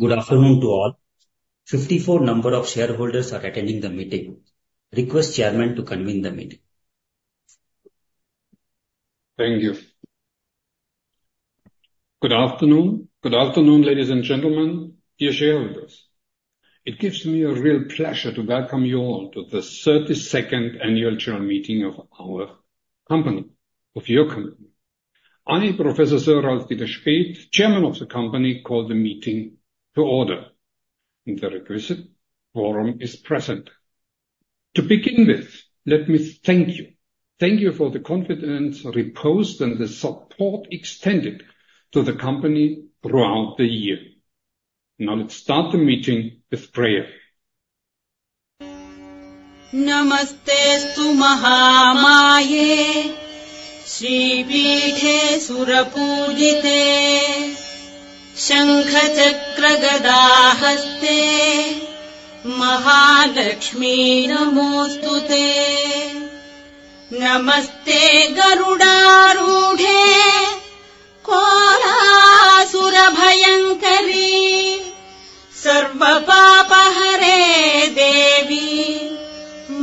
Good afternoon to all. 54 number of shareholders are attending the meeting. Request Chairman to convene the meeting. Thank you. Good afternoon. Good afternoon, ladies and gentlemen, dear shareholders. It gives me a real pleasure to welcome you all to the 32nd Annual General Meeting of our company, of your company. I am Prof Sir Ralf Dieter Speth, Chairman of the company. Call the meeting to order. The requisite quorum is present. To begin with, let me thank you. Thank you for the confidence reposed and the support extended to the company throughout the year. Now let's start the meeting with prayer. नमस्तेस्तु महामाये, श्रीपीठे सुरपूजिते, शङ्खचक्रगदाहस्ते, Mahalakshmi नमोऽस्तु ते। नमस्ते गरुडरूढे, कोलासुरभयङ्करि, सर्वपापहरे देवि,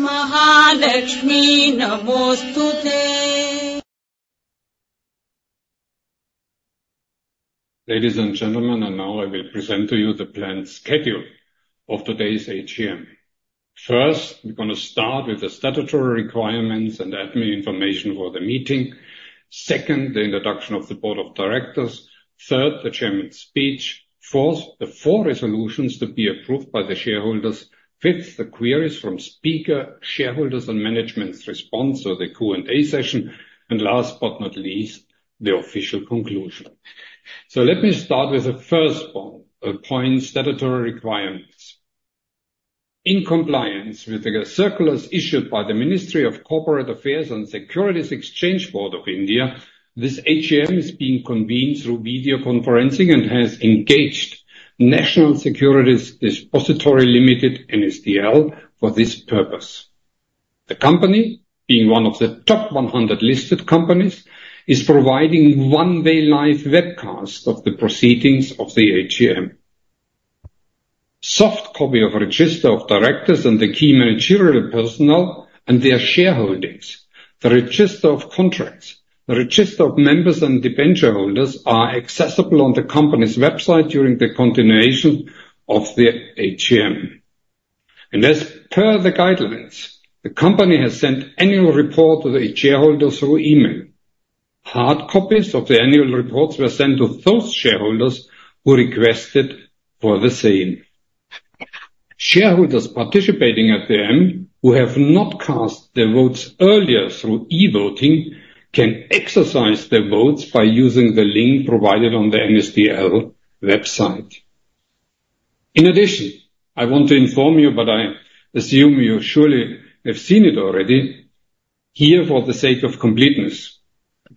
महालक्ष्मी नमोऽस्तु ते। Ladies and gentlemen, now I will present to you the planned schedule of today's AGM. First, we're going to start with the statutory requirements and admin information for the meeting. Second, the introduction of the Board of Directors. Third, the Chairman's speech. Fourth, the 4 resolutions to be approved by the shareholders. Fifth, the queries from speakers, shareholders, and management's response, so the Q&A session. And last but not least, the official conclusion. So let me start with the first point, statutory requirements. In compliance with the circulars issued by the Ministry of Corporate Affairs and Securities and Exchange Board of India, this AGM is being convened through video conferencing and has engaged National Securities Depository Limited, NSDL, for this purpose. The company, being one of the top 100 listed companies, is providing one-way live webcast of the proceedings of the AGM. Soft copy of the register of directors and the key managerial personnel and their shareholdings, the register of contracts, the register of members and the debenture holders are accessible on the company's website during the continuation of the AGM. As per the guidelines, the company has sent annual reports to the shareholders through email. Hard copies of the annual reports were sent to those shareholders who requested for the same. Shareholders participating at the end who have not cast their votes earlier through e-voting can exercise their votes by using the link provided on the NSDL website. In addition, I want to inform you, but I assume you surely have seen it already, here for the sake of completeness.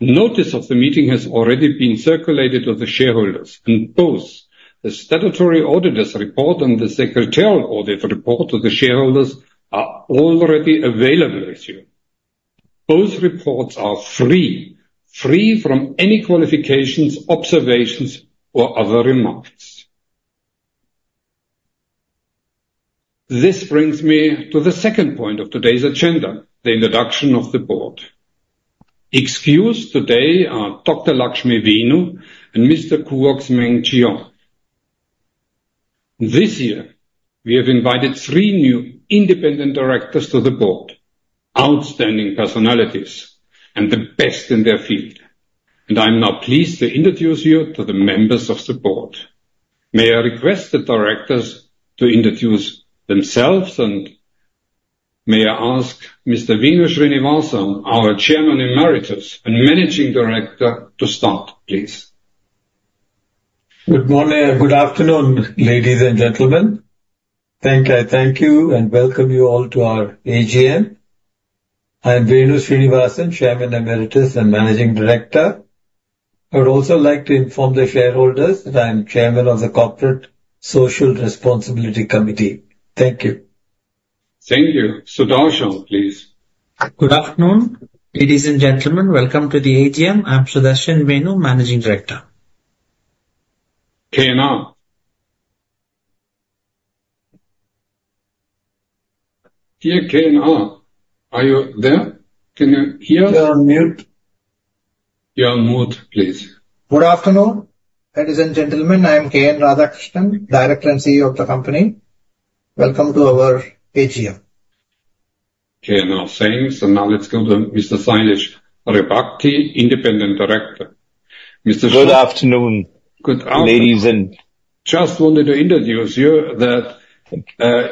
Notice of the meeting has already been circulated to the shareholders, and both the statutory auditor's report and the secretarial audit report to the shareholders are already available, I assume. Both reports are free, free from any qualifications, observations, or other remarks. This brings me to the second point of today's agenda, the introduction of the board. Excused today are Dr. Lakshmi Venu and Mr. K. Gopala Desikan. This year, we have invited three new independent directors to the board, outstanding personalities and the best in their field. And I'm now pleased to introduce you to the members of the board. May I request the directors to introduce themselves? And may I ask Mr. Venu Srinivasan, our Chairman Emeritus and Managing Director, to start, please? Good morning and good afternoon, ladies and gentlemen. Thank you, and welcome you all to our AGM. I'm Venu Srinivasan, Chairman Emeritus and Managing Director. I would also like to inform the shareholders that I'm Chairman of the Corporate Social Responsibility Committee. Thank you. Thank you. Sudarshan, please. Good afternoon, ladies and gentlemen. Welcome to the AGM. I'm Sudarshan Venu, Managing Director. Dear KNR, are you there? Can you hear us? You're on mute. You're on mute, please. Good afternoon, ladies and gentlemen. I'm K.N. Radhakrishnan, Director and CEO of the company. Welcome to our AGM. KNR, same. So now let's go to Mr. Shailesh Haribhakti, Independent Director. Mr. Shailesh. Good afternoon, ladies and. Just wanted to introduce you that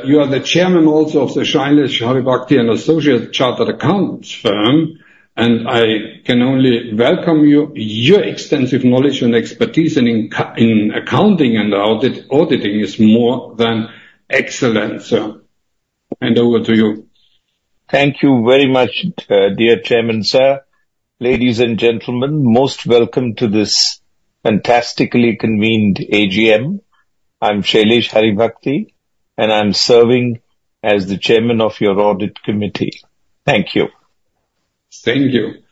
you are the Chairman also of the Shailesh Haribhakti & Associates Chartered Accountants firm. I can only welcome you. Your extensive knowledge and expertise in accounting and auditing is more than excellent, sir. Hand over to you. Thank you very much, dear Chairman. Sir, ladies and gentlemen, most welcome to this fantastically convened AGM. I'm Shailesh Haribhakti, and I'm serving as the Chairman of your audit committee. Thank you. Thank you.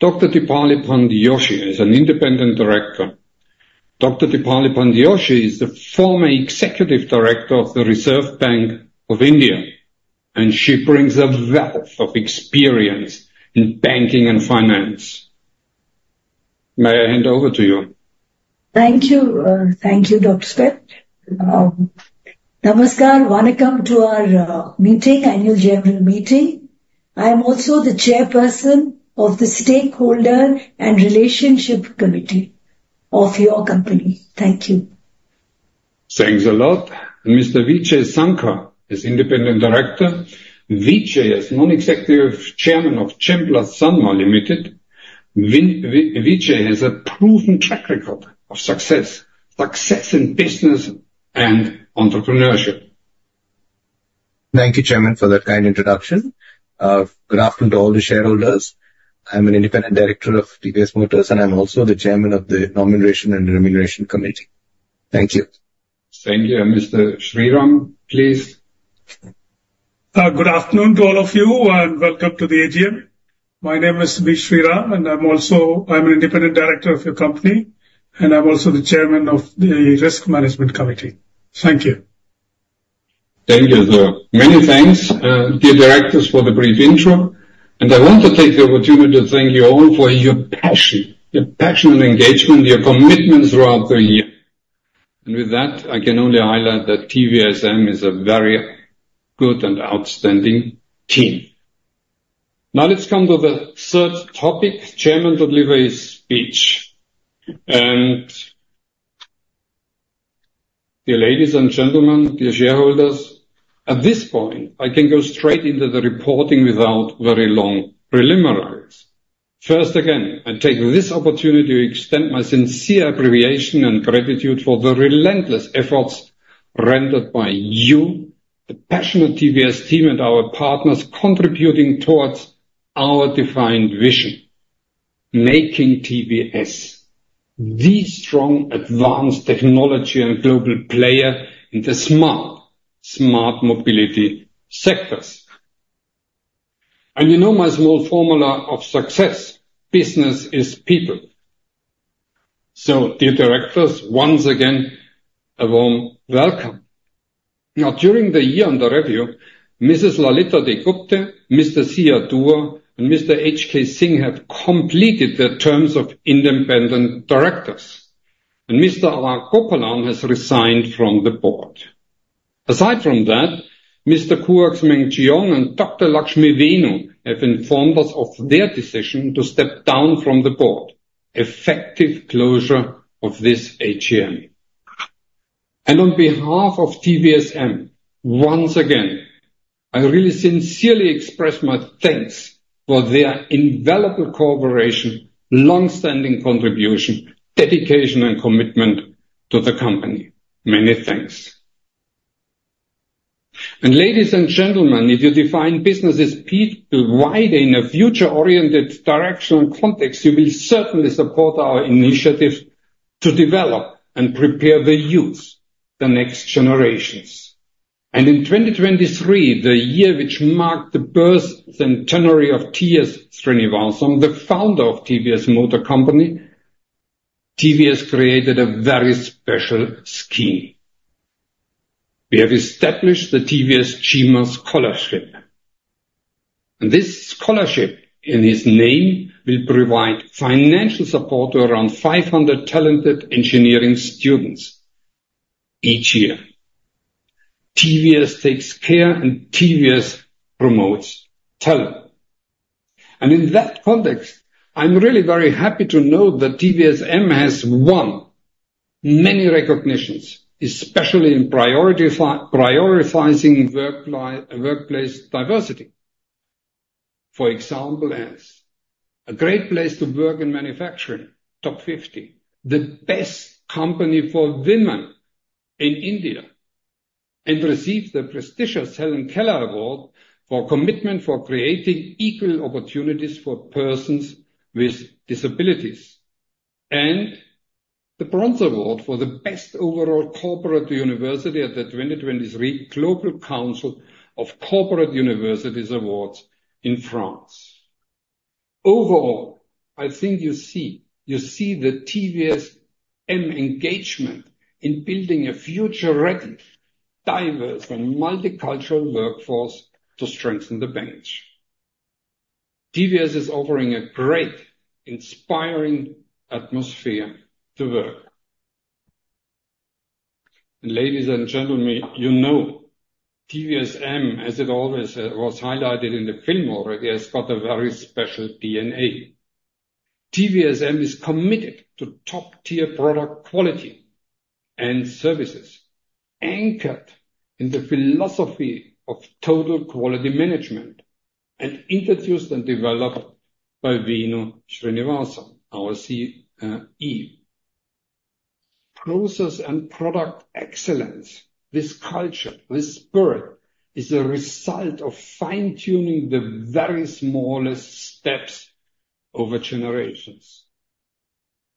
Dr. Deepali Pant Joshi is an Independent Director. Dr. Deepali Pant Joshi is the former executive director of the Reserve Bank of India, and she brings a wealth of experience in banking and finance. May I hand over to you? Thank you. Thank you, Dr. Speth. Namaskar. Welcome to our meeting, Annual General Meeting. I am also the Chairperson of the Stakeholder and Relationship Committee of your company. Thank you. Thanks a lot. Mr. Vijay Sankar is Independent Director. Vijay is Non-Executive Chairman of Chemplast Sanmar Limited. Vijay has a proven track record of success, success in business and entrepreneurship. Thank you, Chairman, for that kind introduction. Good afternoon to all the shareholders. I'm an independent director of TVS Motor Company, and I'm also the Chairman of the Nomination and Remuneration Committee. Thank you. Thank you. Mr. Sriram, please. Good afternoon to all of you, and welcome to the AGM. My name is V. Sriram, and I'm also an independent director of your company, and I'm also the Chairman of the Risk Management Committee. Thank you. Thank you, sir. Many thanks, dear directors, for the brief intro. I want to take the opportunity to thank you all for your passion, your passionate engagement, your commitment throughout the year. With that, I can only highlight that TVSM is a very good and outstanding team. Now let's come to the third topic, Chairman Delivery Speech. Dear ladies and gentlemen, dear shareholders, at this point, I can go straight into the reporting without very long preliminaries. First, again, I take this opportunity to extend my sincere appreciation and gratitude for the relentless efforts rendered by you, the passionate TVS team, and our partners contributing towards our defined vision, making TVS the strong advanced technology and global player in the smart, smart mobility sectors. You know my small formula of success, business is people. Dear directors, once again, a warm welcome. Now, during the year under review, Mrs. Lalita D. Gupte, Mr. C.R. Dua, and Mr. H. K. Singh have completed their terms of independent directors. Mr. R. Gopalan has resigned from the board. Aside from that, Mr. K. Gopala Desikan and Dr. Lakshmi Venu have informed us of their decision to step down from the board. Effective closure of this AGM. On behalf of TVSM, once again, I really sincerely express my thanks for their invaluable cooperation, long-standing contribution, dedication, and commitment to the company. Many thanks. Ladies and gentlemen, if you define business as people wide in a future-oriented direction and context, you will certainly support our initiative to develop and prepare the youth, the next generations. In 2023, the year which marked the birth centenary of T.S. Srinivasan, the founder of TVS Motor Company, TVS created a very special scheme. We have established the TVS Cheema Scholarship. This scholarship, in his name, will provide financial support to around 500 talented engineering students each year. TVS takes care and TVS promotes talent. In that context, I'm really very happy to know that TVSM has won many recognitions, especially in prioritizing workplace diversity. For example, as a great place to work in manufacturing, top 50, the best company for women in India, and received the prestigious Helen Keller Award for commitment for creating equal opportunities for persons with disabilities, and the Bronze Award for the best overall corporate university at the 2023 Global Council of Corporate Universities Awards in France. Overall, I think you see the TVSM engagement in building a future-ready, diverse, and multicultural workforce to strengthen the bench. TVS is offering a great, inspiring atmosphere to work. Ladies and gentlemen, you know TVSM, as it always was highlighted in the film already, has got a very special DNA. TVSM is committed to top-tier product quality and services anchored in the philosophy of Total Quality Management and introduced and developed by Venu Srinivasan, our CE. Process and product excellence, this culture, this spirit is a result of fine-tuning the very smallest steps over generations.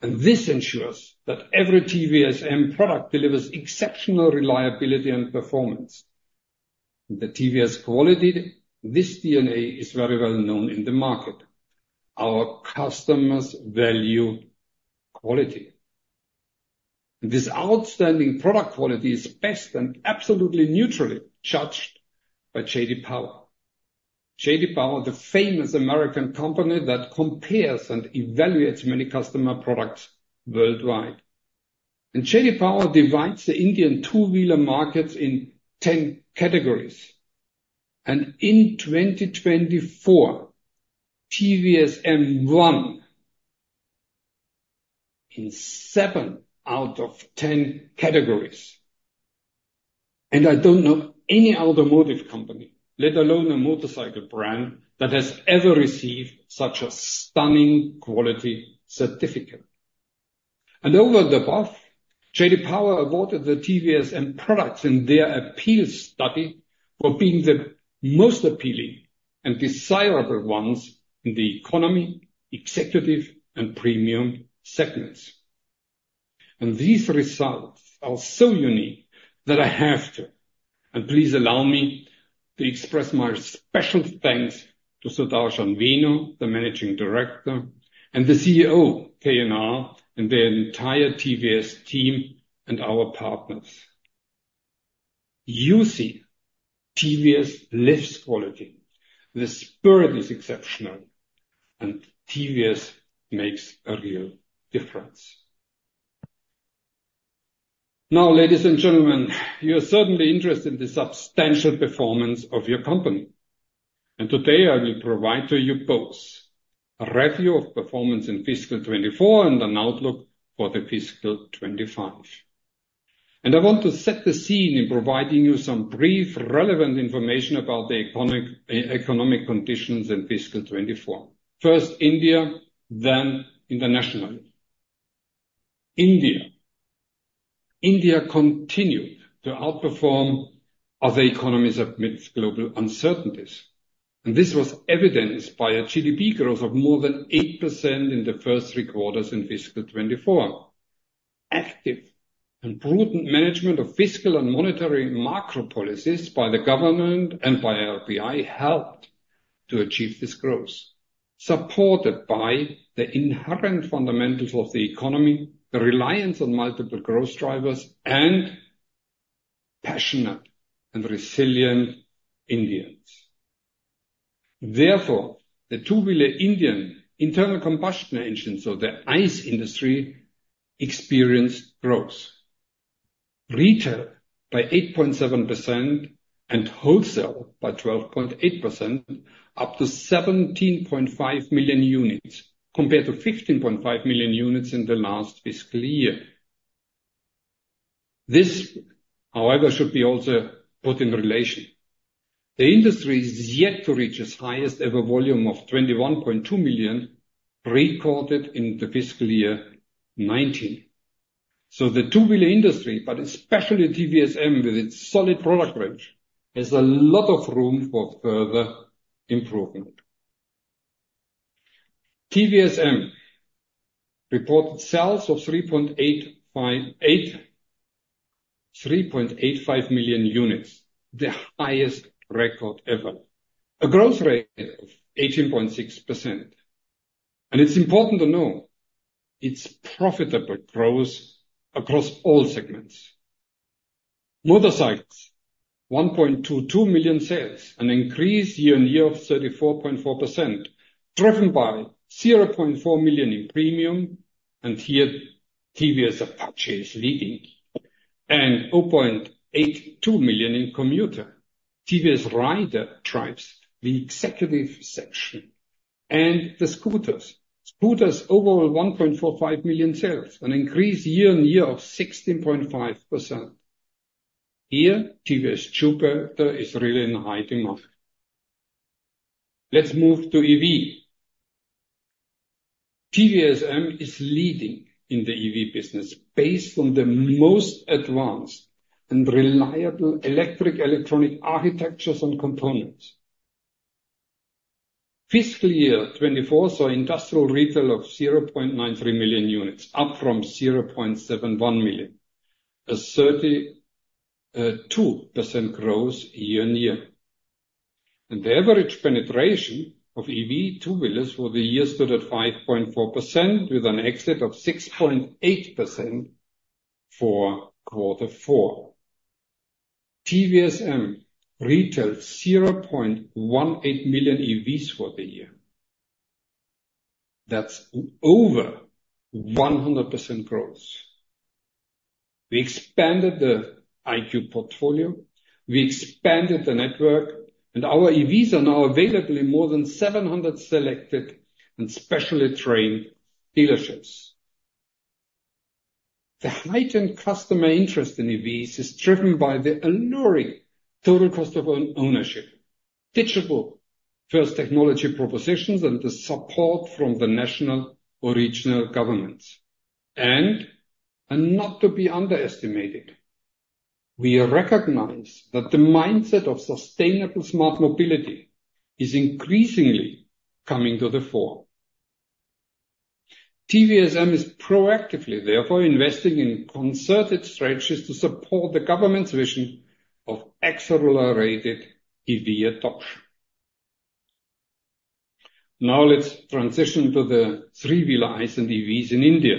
This ensures that every TVSM product delivers exceptional reliability and performance. The TVS quality, this DNA is very well known in the market. Our customers value quality. This outstanding product quality is best and absolutely neutrally judged by J.D. Power. J.D. Power, the famous American company that compares and evaluates many customer products worldwide. J.D. Power divides the Indian two-wheeler markets in 10 categories. In 2024, TVSM won in 7 out of 10 categories. I don't know any automotive company, let alone a motorcycle brand, that has ever received such a stunning quality certificate. Over and above, J.D. Power awarded the TVSM products in their appeal study for being the most appealing and desirable ones in the economy, executive, and premium segments. These results are so unique that I have to, and please allow me, to express my special thanks to Sudarshan Venu, the Managing Director, and the CEO, KNR, and the entire TVS team and our partners. You see, TVS lives quality. The spirit is exceptional, and TVS makes a real difference. Now, ladies and gentlemen, you are certainly interested in the substantial performance of your company. Today, I will provide to you both a review of performance in fiscal 2024 and an outlook for the fiscal 2025. I want to set the scene in providing you some brief relevant information about the economic conditions in fiscal 2024. First, India, then internationally. India. India continued to outperform other economies amidst global uncertainties. This was evidenced by a GDP growth of more than 8% in the first three quarters in fiscal 2024. Active and prudent management of fiscal and monetary macro policies by the government and by RBI helped to achieve this growth, supported by the inherent fundamentals of the economy, the reliance on multiple growth drivers, and passionate and resilient Indians. Therefore, the two-wheeler Indian internal combustion engines, so the ICE industry, experienced growth. Retail by 8.7% and wholesale by 12.8%, up to 17.5 million units, compared to 15.5 million units in the last fiscal year. This, however, should be also put in relation. The industry is yet to reach its highest ever volume of 21.2 million recorded in the fiscal year 2019. So the two-wheeler industry, but especially TVSM with its solid product range, has a lot of room for further improvement. TVSM reported sales of 3.85 million units, the highest record ever, a growth rate of 18.6%. And it's important to know its profitable growth across all segments. Motorcycles, 1.22 million sales, an increase year-on-year of 34.4%, driven by 0.4 million in premium, and here TVS Apache is leading, and 0.82 million in commuter. TVS Raider drives the executive section, and the scooters. Scooters, overall 1.45 million sales, an increase year-on-year of 16.5%. Here, TVS Jupiter is really in high demand. Let's move to EV. TVSM is leading in the EV business based on the most advanced and reliable electric electronic architectures and components. Fiscal year 2024 saw domestic retail of 0.93 million units, up from 0.71 million, a 32% growth year-on-year. The average penetration of EV two-wheelers for the year stood at 5.4%, with an exit of 6.8% for quarter four. TVSM retailed 0.18 million EVs for the year. That's over 100% growth. We expanded the iQube portfolio. We expanded the network, and our EVs are now available in more than 700 selected and specially trained dealerships. The heightened customer interest in EVs is driven by the alluring total cost of ownership, digital-first technology propositions, and the support from the national and regional governments. Not to be underestimated, we recognize that the mindset of sustainable smart mobility is increasingly coming to the fore. TVSM is proactively, therefore, investing in concerted strategies to support the government's vision of accelerated EV adoption. Now let's transition to the three-wheeler ICE and EVs in India.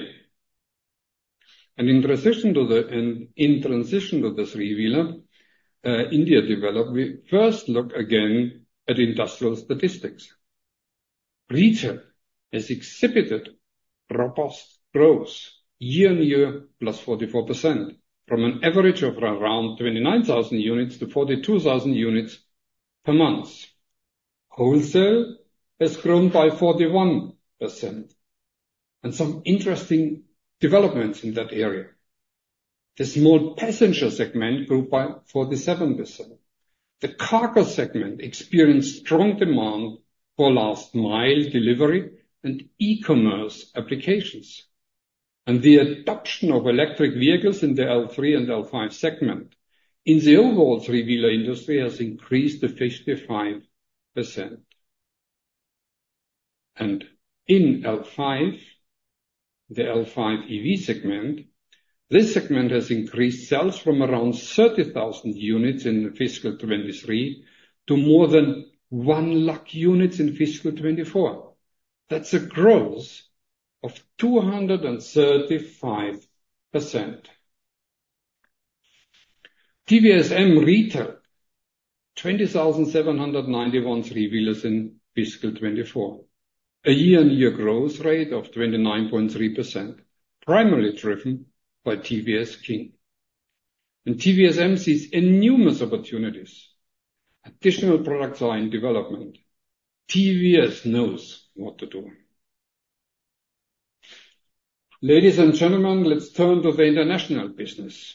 In transition to the three-wheeler India developed, we first look again at industrial statistics. Retail has exhibited robust growth year on year, +44%, from an average of around 29,000 units to 42,000 units per month. Wholesale has grown by 41% and some interesting developments in that area. The small passenger segment grew by 47%. The cargo segment experienced strong demand for last-mile delivery and e-commerce applications. The adoption of electric vehicles in the L3 and L5 segment in the overall three-wheeler industry has increased to 55%. In L5, the L5 EV segment, this segment has increased sales from around 30,000 units in fiscal 2023 to more than 100,000 units in fiscal 2024. That's a growth of 235%. TVSM retailed 20,791 three-wheelers in fiscal 2024, a year-on-year growth rate of 29.3%, primarily driven by TVS King. TVSM sees enormous opportunities. Additional products are in development. TVS knows what to do. Ladies and gentlemen, let's turn to the international business.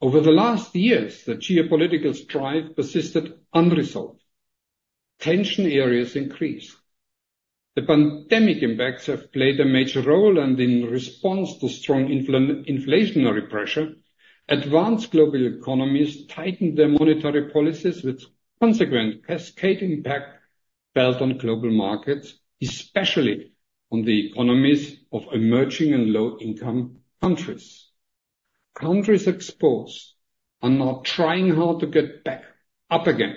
Over the last years, the geopolitical strife persisted unresolved. Tension areas increased. The pandemic impacts have played a major role, and in response to strong inflationary pressure, advanced global economies tightened their monetary policies, with consequent cascading impact felt on global markets, especially on the economies of emerging and low-income countries. Countries exposed are now trying hard to get back up again.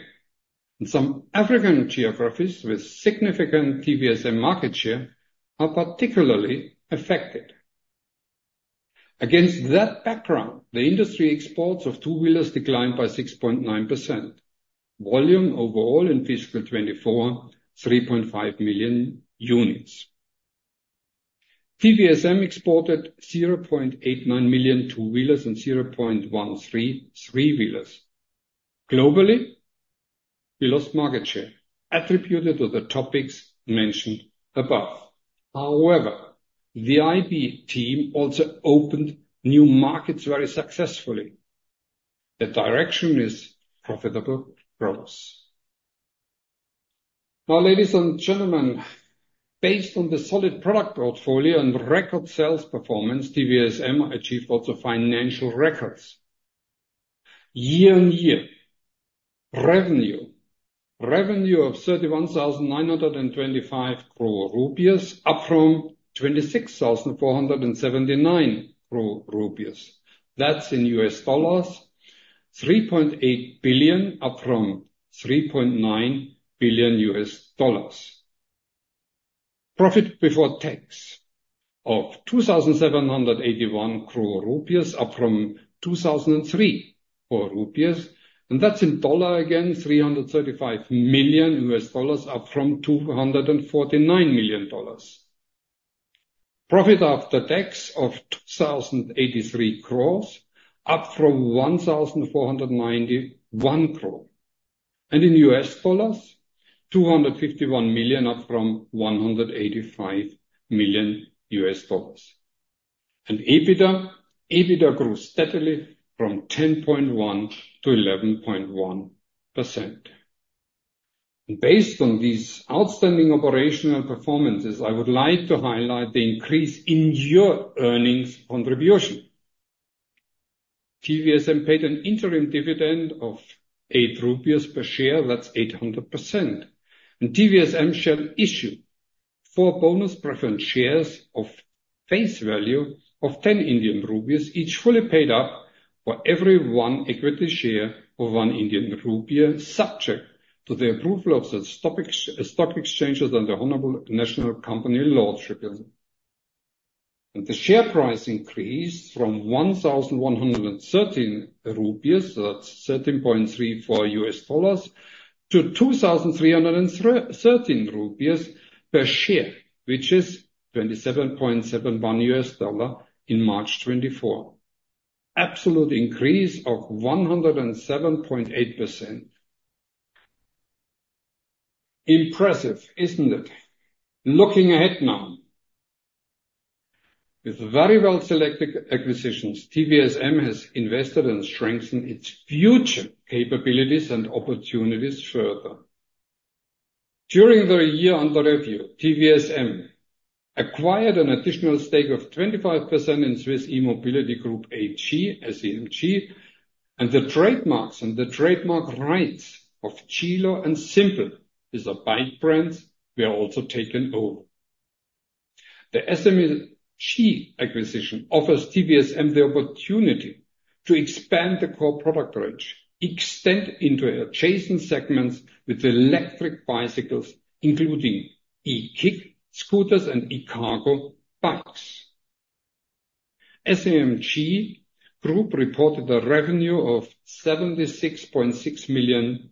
Some African geographies with significant TVSM market share are particularly affected. Against that background, the industry exports of two-wheelers declined by 6.9%. Volume overall in fiscal 2024, 3.5 million units. TVSM exported 0.89 million two-wheelers and 0.13 three-wheelers. Globally, we lost market share attributed to the topics mentioned above. However, the IB team also opened new markets very successfully. The direction is profitable growth. Now, ladies and gentlemen, based on the solid product portfolio and record sales performance, TVSM achieved also financial records. Year-on-year, revenue of 31,925 crore rupees, up from 26,479 crore rupees. That's in US dollars, $3.8 billion, up from $3.9 billion. Profit before tax of 2,781 crore rupees, up from 2,003 crore rupees. And that's in dollars again, $335 million, up from $249 million. Profit after tax of 2,083 crore, up from 1,491 crore. And in US dollars, $251 million, up from $185 million. And EBITDA, EBITDA grew steadily from 10.1% to 11.1%. Based on these outstanding operational performances, I would like to highlight the increase in your earnings contribution. TVSM paid an interim dividend of 8 rupees per share. That's 800%. TVSM shall issue 4 bonus preference shares of face value of 10 Indian rupees, each fully paid up for every 1 equity share of 1 Indian rupee, subject to the approval of the stock exchanges and the Honorable National Company Law Tribunal. The share price increased from 1,113 rupees, that's $13.34, to 2,313 rupees per share, which is $27.71 in March 2024. Absolute increase of 107.8%. Impressive, isn't it? Looking ahead now, with very well-selected acquisitions, TVSM has invested and strengthened its future capabilities and opportunities further. During the year under review, TVSM acquired an additional stake of 25% in Swiss E-Mobility Group AG, SEMG, and the trademarks and the trademark rights of Cilo and Simpel, which are bike brands, were also taken over. The SEMG acquisition offers TVSM the opportunity to expand the core product range, extend into adjacent segments with electric bicycles, including e-kick scooters and e-cargo bikes. SEMG Group reported a revenue of $76.6 million,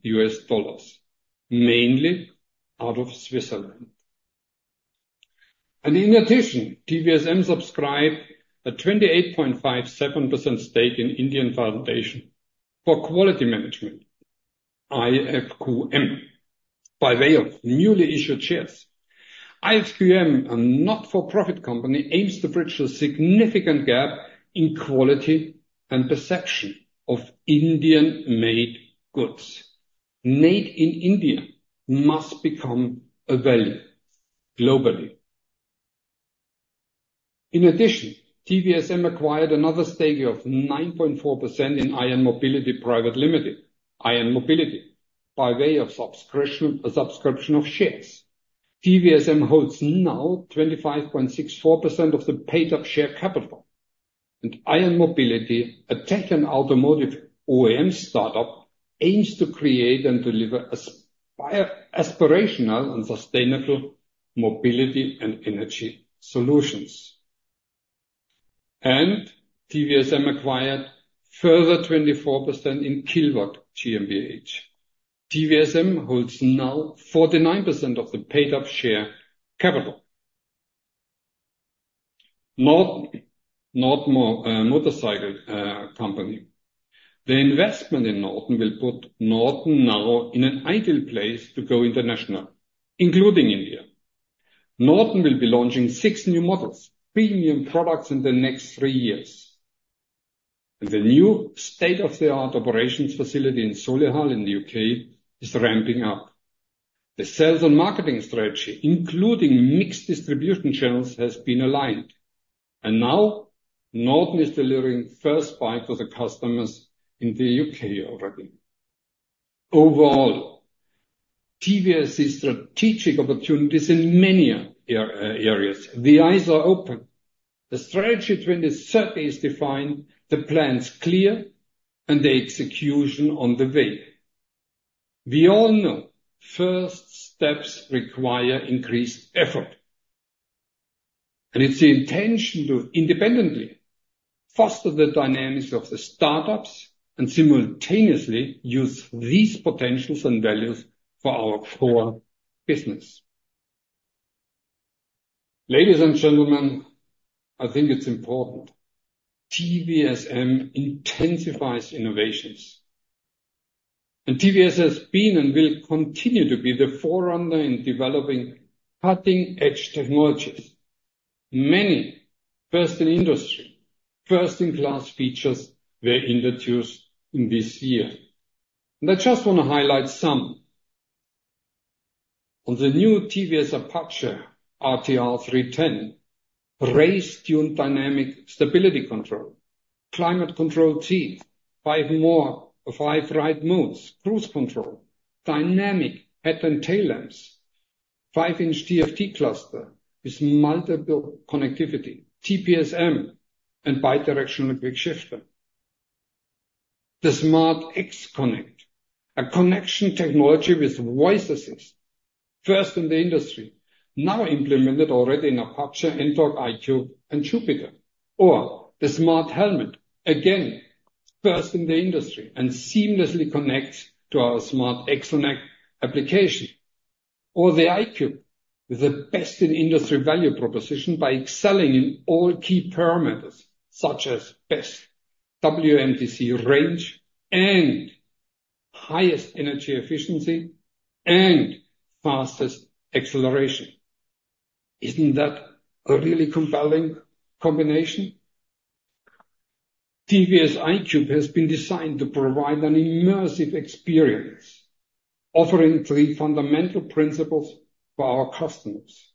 mainly out of Switzerland. In addition, TVSM subscribed a 28.57% stake in Indian Foundation for Quality Management, IFQM, by way of newly issued shares. IFQM, a not-for-profit company, aims to bridge a significant gap in quality and perception of Indian-made goods. Made in India must become a value globally. In addition, TVSM acquired another stake of 9.4% in ION Mobility Private Limited, ION Mobility, by way of subscription of shares. TVSM holds now 25.64% of the paid-up share capital. ION Mobility, a tech and automotive OEM startup, aims to create and deliver aspirational and sustainable mobility and energy solutions. TVSM acquired further 24% in Killwatt GmbH. Company holds now 49% of the paid-up share capital. Norton Motorcycle Company. The investment in Norton will put Norton now in an ideal place to go international, including India. Norton will be launching six new models, premium products in the next three years. The new state-of-the-art operations facility in Solihull in the UK is ramping up. The sales and marketing strategy, including mixed distribution channels, has been aligned. Now Norton is delivering first bike to the customers in the UK already. Overall, TVS Motor Company's strategic opportunities in many areas. The eyes are open. The Strategy 2030 is defined, the plans clear, and the execution on the way. We all know first steps require increased effort. It's the intention to independently foster the dynamics of the startups and simultaneously use these potentials and values for our core business. Ladies and gentlemen, I think it's important. TVS Motor Company intensifies innovations. TVS has been and will continue to be the forerunner in developing cutting-edge technologies. Many first-in-industry, first-in-class features were introduced this year. I just want to highlight some. On the new TVS Apache RTR 310, race-tuned dynamic stability control, connected TFT, 5 ride modes, cruise control, dynamic head and tail lamps, 5-inch TFT cluster with multiple connectivity, TPMS, and bi-directional quick shifter. The SmartXonnect, a connection technology with voice assist, first in the industry, now implemented already in Apache, NTORQ, iQube, and Jupiter. Or the Smart Helmet, again, first in the industry and seamlessly connects to our SmartXonnect application. Or the iQube, with the best-in-industry value proposition by excelling in all key parameters, such as best WMTC range and highest energy efficiency and fastest acceleration. Isn't that a really compelling combination? TVS iQube has been designed to provide an immersive experience, offering three fundamental principles for our customers: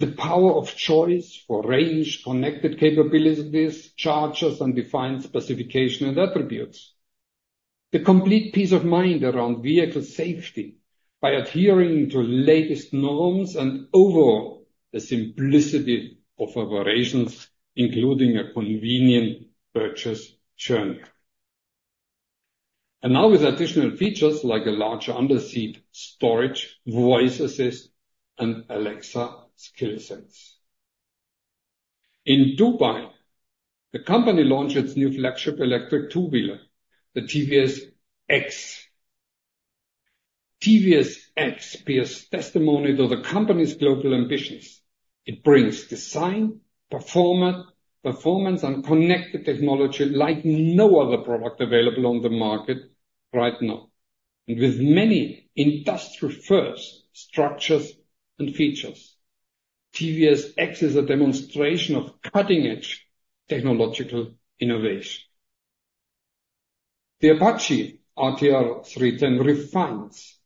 the power of choice for range, connected capabilities, chargers, and defined specification and attributes; the complete peace of mind around vehicle safety by adhering to the latest norms; and overall, the simplicity of operations, including a convenient purchase journey. And now with additional features like a larger under-seat storage, voice assist, and Alexa skill sets. In Dubai, the company launched its new flagship electric two-wheeler, the TVS X. TVS X bears testimony to the company's global ambitions. It brings design, performance, and connected technology like no other product available on the market right now, and with many industry-first structures and features. TVS X is a demonstration of cutting-edge technological innovation. The TVS Apache RTR 310 refines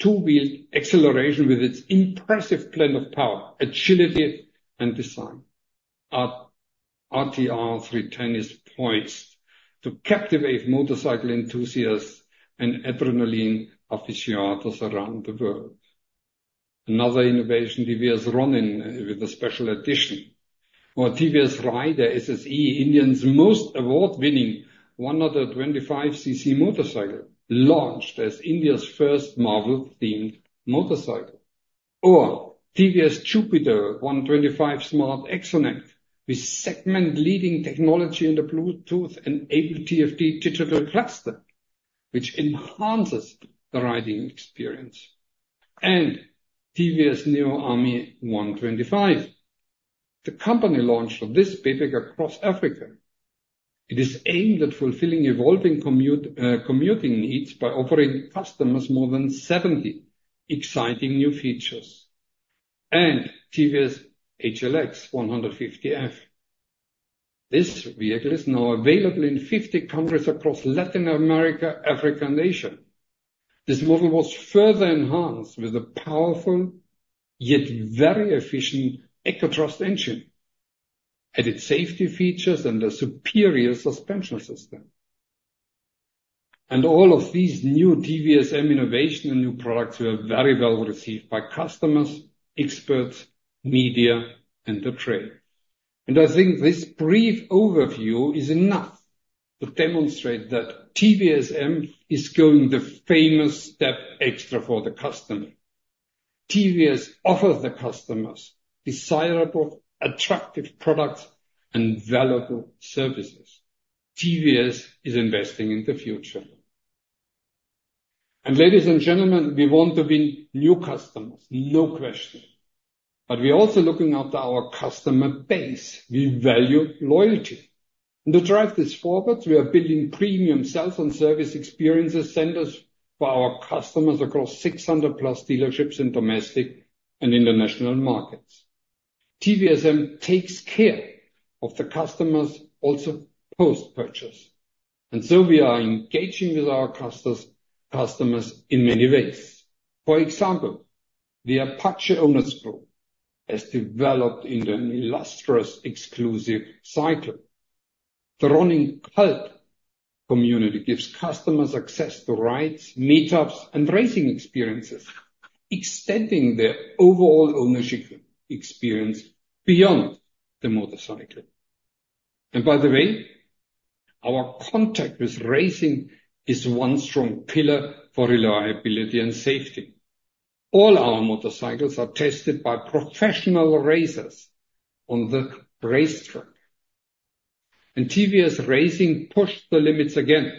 two-wheeled acceleration with its impressive blend of power, agility, and design. 310 is poised to captivate motorcycle enthusiasts and adrenaline aficionados around the world. Another innovation, TVS Ronin with a special edition, or TVS Raider SSE, India's most award-winning 125cc motorcycle, launched as India's first Marvel-themed motorcycle. Or TVS Jupiter 125 SmartXonnect, with segment-leading technology in the Bluetooth-enabled TFT digital cluster, which enhances the riding experience. And TVS Neo Ami 125. The company launched this vehicle across Africa. It is aimed at fulfilling evolving commuting needs by offering customers more than 70 exciting new features. And TVS HLX 150F. This vehicle is now available in 50 countries across Latin America, Africa, and Asia. This model was further enhanced with a powerful yet very efficient EcoThrust engine, added safety features, and a superior suspension system. And all of these new TVSM innovations and new products were very well received by customers, experts, media, and the trade. I think this brief overview is enough to demonstrate that TVSM is going the extra mile for the customer. TVS offers the customers desirable, attractive products and valuable services. TVS is investing in the future. Ladies and gentlemen, we want to win new customers, no question. But we're also looking after our customer base. We value loyalty. To drive this forward, we are building premium sales and service experience centers for our customers across 600+ dealerships in domestic and international markets. TVSM takes care of the customers also post-purchase. So we are engaging with our customers in many ways. For example, the Apache Owners Club has developed into an illustrious, exclusive circle. The Ronin Cult community gives customers access to rides, meetups, and racing experiences, extending their overall ownership experience beyond the motorcycle. By the way, our contact with racing is one strong pillar for reliability and safety. All our motorcycles are tested by professional racers on the racetrack. TVS Racing pushed the limits again.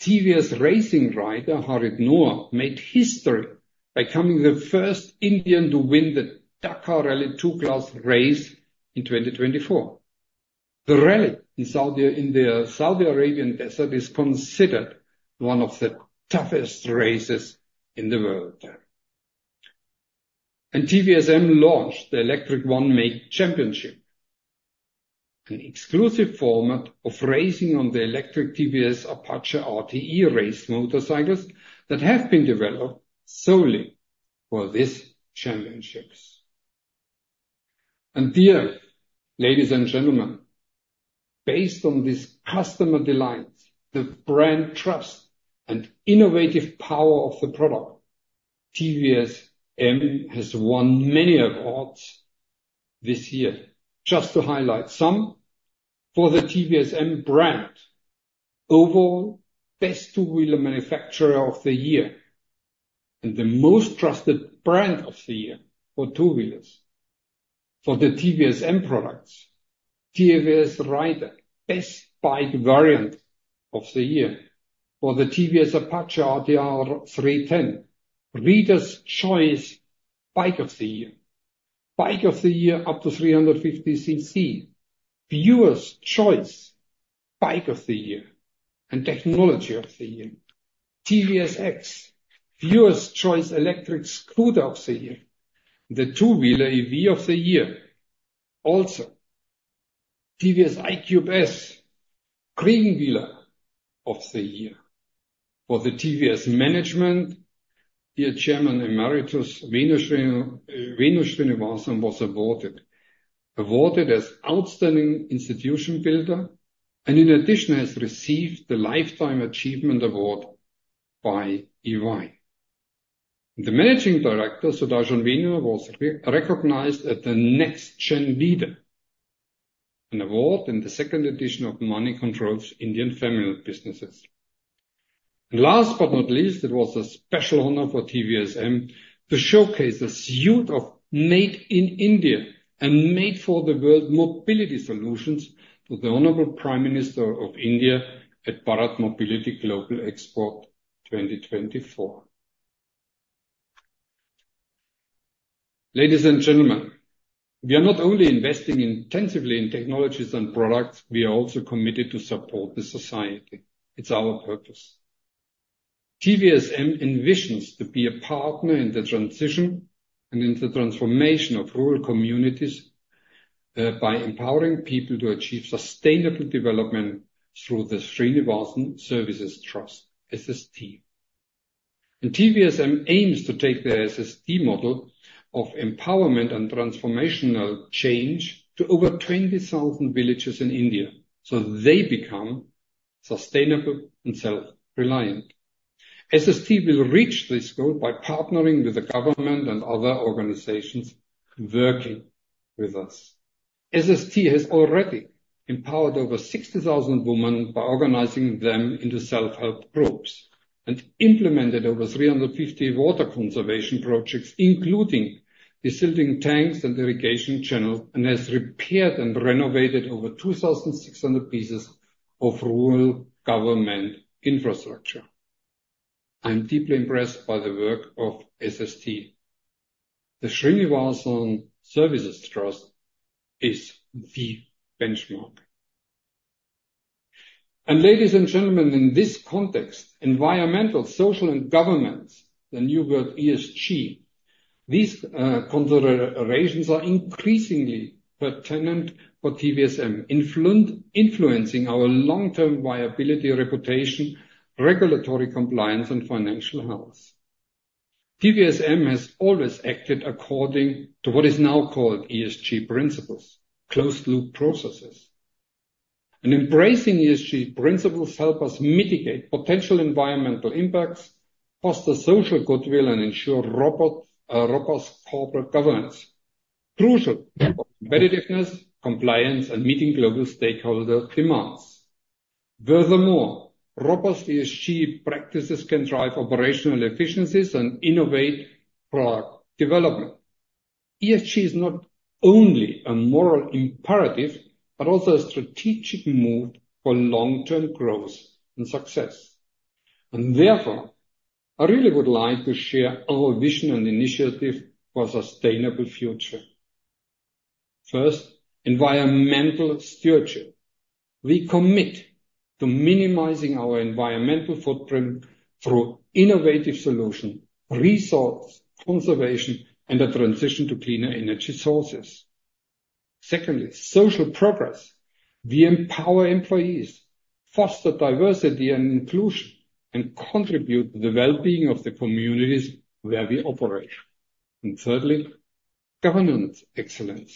TVS Racing rider Harit Noah made history by becoming the first Indian to win the Dakar Rally 2 Class race in 2024. The rally in the Saudi Arabian desert is considered one of the toughest races in the world. TVSM launched the Electric One Make Championship, an exclusive format of racing on the electric TVS Apache RTE race motorcycles that have been developed solely for these championships. Dear ladies and gentlemen, based on this customer delight, the brand trust, and innovative power of the product, TVSM has won many awards this year. Just to highlight some, for the TVSM brand, overall best two-wheeler manufacturer of the year, and the most trusted brand of the year for two-wheelers. For the TVSM products, TVS Raider, best bike variant of the year. For the TVS Apache RTR 310, Reader's Choice Bike of the Year. Bike of the Year up to 350cc. Viewer's Choice Bike of the Year and Technology of the Year. TVS X, Viewer's Choice Electric Scooter of the Year. The Two-Wheeler EV of the Year. Also, TVS iQube S, Green Wheeler of the Year. For the TVS Management, their Chairman Emeritus Venu Srinivasan was awarded. Awarded as Outstanding Institution Builder, and in addition, has received the Lifetime Achievement Award by EY. The Managing Director, Sudarshan Venu, was recognized as the Next-Gen Leader. An award in the second edition of Moneycontrol Indian Family Businesses. Last but not least, it was a special honor for TVSM to showcase a suite of made-in-India and made-for-the-world mobility solutions to the Honorable Prime Minister of India at Bharat Mobility Global Export 2024. Ladies and gentlemen, we are not only investing intensively in technologies and products, we are also committed to support the society. It's our purpose. TVSM envisions to be a partner in the transition and in the transformation of rural communities by empowering people to achieve sustainable development through the Srinivasan Services Trust, SST. TVSM aims to take the SST model of empowerment and transformational change to over 20,000 villages in India so they become sustainable and self-reliant. SST will reach this goal by partnering with the government and other organizations working with us. SST has already empowered over 60,000 women by organizing them into self-help groups and implemented over 350 water conservation projects, including distilling tanks and irrigation channels, and has repaired and renovated over 2,600 pieces of rural government infrastructure. I'm deeply impressed by the work of SST. The Srinivasan Services Trust is the benchmark. Ladies and gentlemen, in this context, Environmental, Social, and Governance, the new word ESG, these considerations are increasingly pertinent for TVSM, influencing our long-term viability, reputation, regulatory compliance, and financial health. TVSM has always acted according to what is now called ESG principles, closed-loop processes. Embracing ESG principles helps us mitigate potential environmental impacts, foster social goodwill, and ensure robust corporate governance, crucial for competitiveness, compliance, and meeting global stakeholder demands. Furthermore, robust ESG practices can drive operational efficiencies and innovate product development. ESG is not only a moral imperative but also a strategic move for long-term growth and success. And therefore, I really would like to share our vision and initiative for a sustainable future. First, environmental stewardship. We commit to minimizing our environmental footprint through innovative solutions, resource conservation, and a transition to cleaner energy sources. Secondly, social progress. We empower employees, foster diversity and inclusion, and contribute to the well-being of the communities where we operate. And thirdly, governance excellence,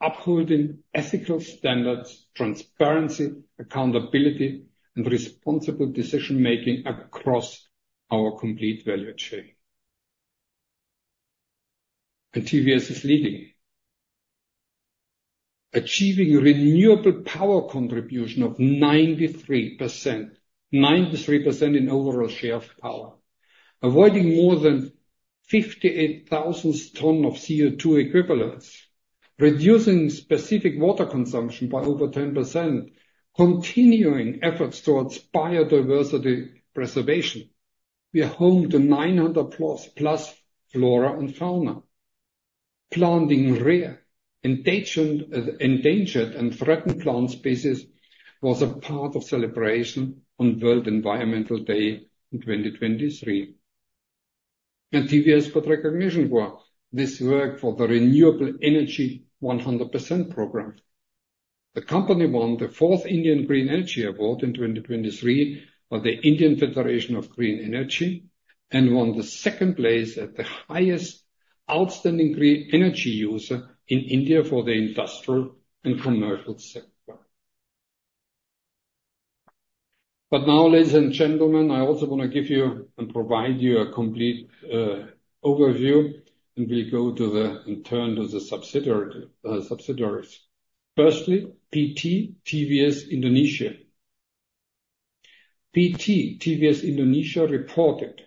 upholding ethical standards, transparency, accountability, and responsible decision-making across our complete value chain. And TVS is leading, achieving renewable power contribution of 93%, 93% in overall share of power, avoiding more than 58,000 tons of CO2 equivalents, reducing specific water consumption by over 10%, continuing efforts towards biodiversity preservation. We are home to 900+ flora and fauna. Planting rare, endangered, and threatened plant species was a part of celebration on World Environment Day in 2023. TVS got recognition for this work for the Renewable Energy 100% program. The company won the fourth Indian Green Energy Award in 2023 by the Indian Federation of Green Energy and won the second place at the highest outstanding energy user in India for the industrial and commercial sector. Now, ladies and gentlemen, I also want to give you and provide you a complete overview, and we'll go and turn to the subsidiaries. Firstly, PT TVS Indonesia. PT TVS Indonesia reported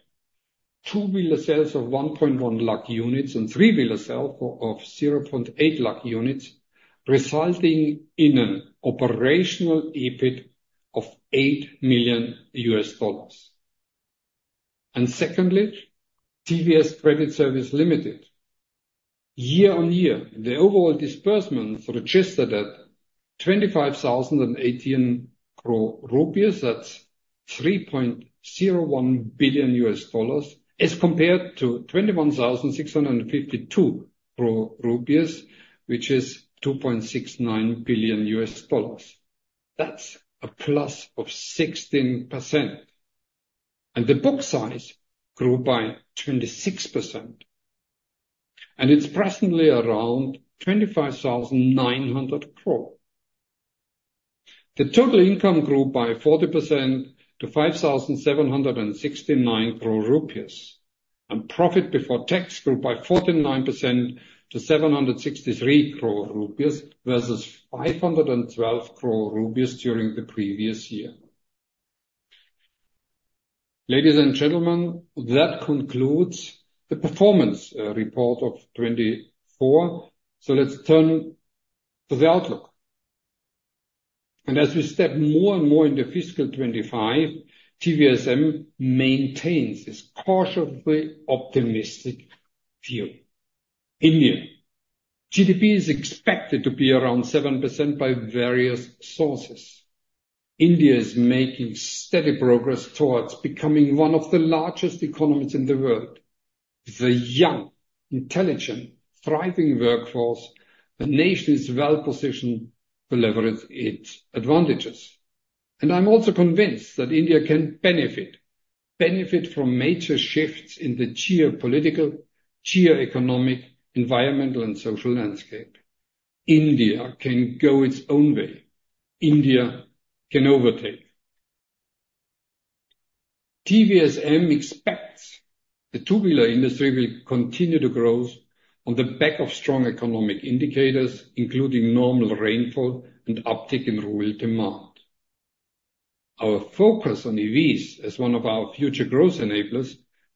two-wheeler sales of 110,000 units and three-wheeler sales of 80,000 units, resulting in an operational EBIT of $8 million. Secondly, TVS Credit Services Limited. Year on year, the overall disbursements registered at INR 25,018 crore, that's $3.01 billion, as compared to 21,652 crore rupees, which is $2.69 billion. That's a plus of 16%. The book size grew by 26%. It's presently around 25,900 crore. The total income grew by 40% to 5,769 crore rupees. Profit before tax grew by 49% to 763 crore rupees versus 512 crore rupees during the previous year. Ladies and gentlemen, that concludes the performance report of 2024. Let's turn to the outlook. As we step more and more into fiscal 2025, TVSM maintains its cautiously optimistic view. India, GDP is expected to be around 7% by various sources. India is making steady progress towards becoming one of the largest economies in the world. The young, intelligent, thriving workforce, the nation is well positioned to leverage its advantages. I'm also convinced that India can benefit from major shifts in the geopolitical, geoeconomic, environmental, and social landscape. India can go its own way. India can overtake. TVSM expects the two-wheeler industry will continue to grow on the back of strong economic indicators, including normal rainfall and uptick in rural demand. Our focus on EVs as one of our future growth enablers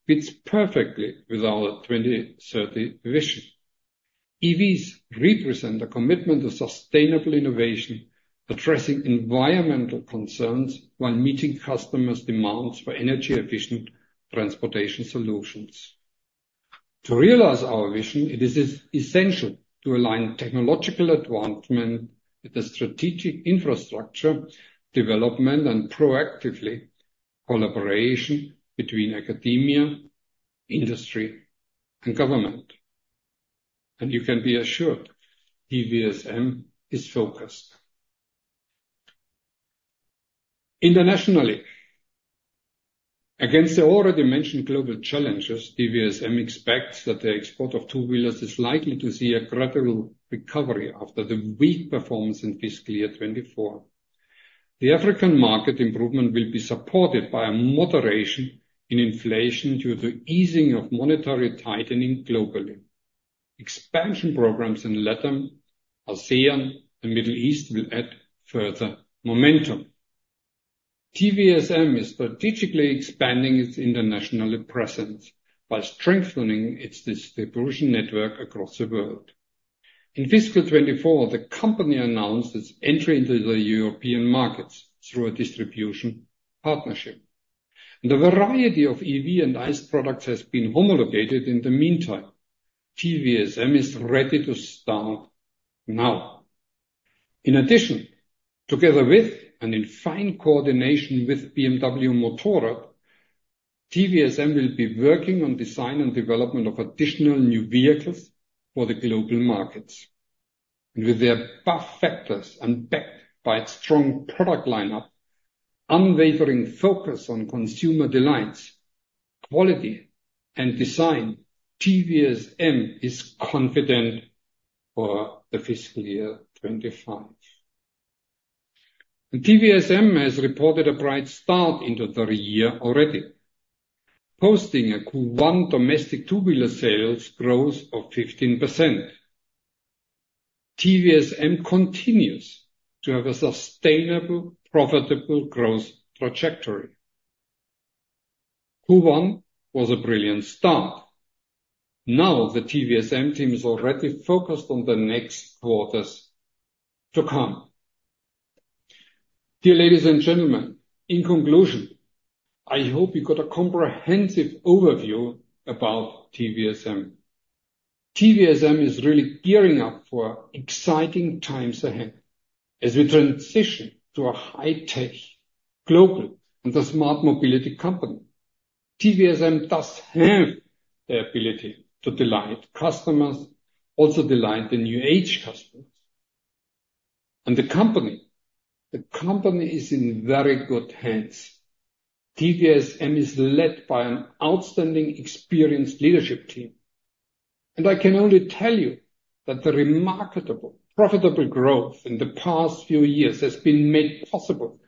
fits perfectly with our 2030 vision. EVs represent a commitment to sustainable innovation, addressing environmental concerns while meeting customers' demands for energy-efficient transportation solutions. To realize our vision, it is essential to align technological advancement with the strategic infrastructure development and proactive collaboration between academia, industry, and government. You can be assured, TVSM is focused. Internationally, against the already mentioned global challenges, TVSM expects that the export of two-wheelers is likely to see a gradual recovery after the weak performance in fiscal year 2024. The African market improvement will be supported by a moderation in inflation due to the easing of monetary tightening globally. Expansion programs in Latam, ASEAN, and the Middle East will add further momentum. TVSM is strategically expanding its international presence by strengthening its distribution network across the world. In fiscal 2024, the company announced its entry into the European markets through a distribution partnership. The variety of EV and ICE products has been homologated in the meantime. TVSM is ready to start now. In addition, together with and in fine coordination with BMW Motorrad, TVSM will be working on the design and development of additional new vehicles for the global markets. With their buff factors and backed by its strong product lineup, unwavering focus on consumer delights, quality, and design, TVSM is confident for the fiscal year 2025. TVSM has reported a bright start into the year already, posting a Q1 domestic two-wheeler sales growth of 15%. TVSM continues to have a sustainable, profitable growth trajectory. Q1 was a brilliant start. Now the TVSM team is already focused on the next quarters to come. Dear ladies and gentlemen, in conclusion, I hope you got a comprehensive overview about TVSM. TVSM is really gearing up for exciting times ahead as we transition to a high-tech, global, and a smart mobility company. TVSM does have the ability to delight customers, also delight the new age customers. The company, the company is in very good hands. TVSM is led by an outstanding experienced leadership team. I can only tell you that the remarkable, profitable growth in the past few years has been made possible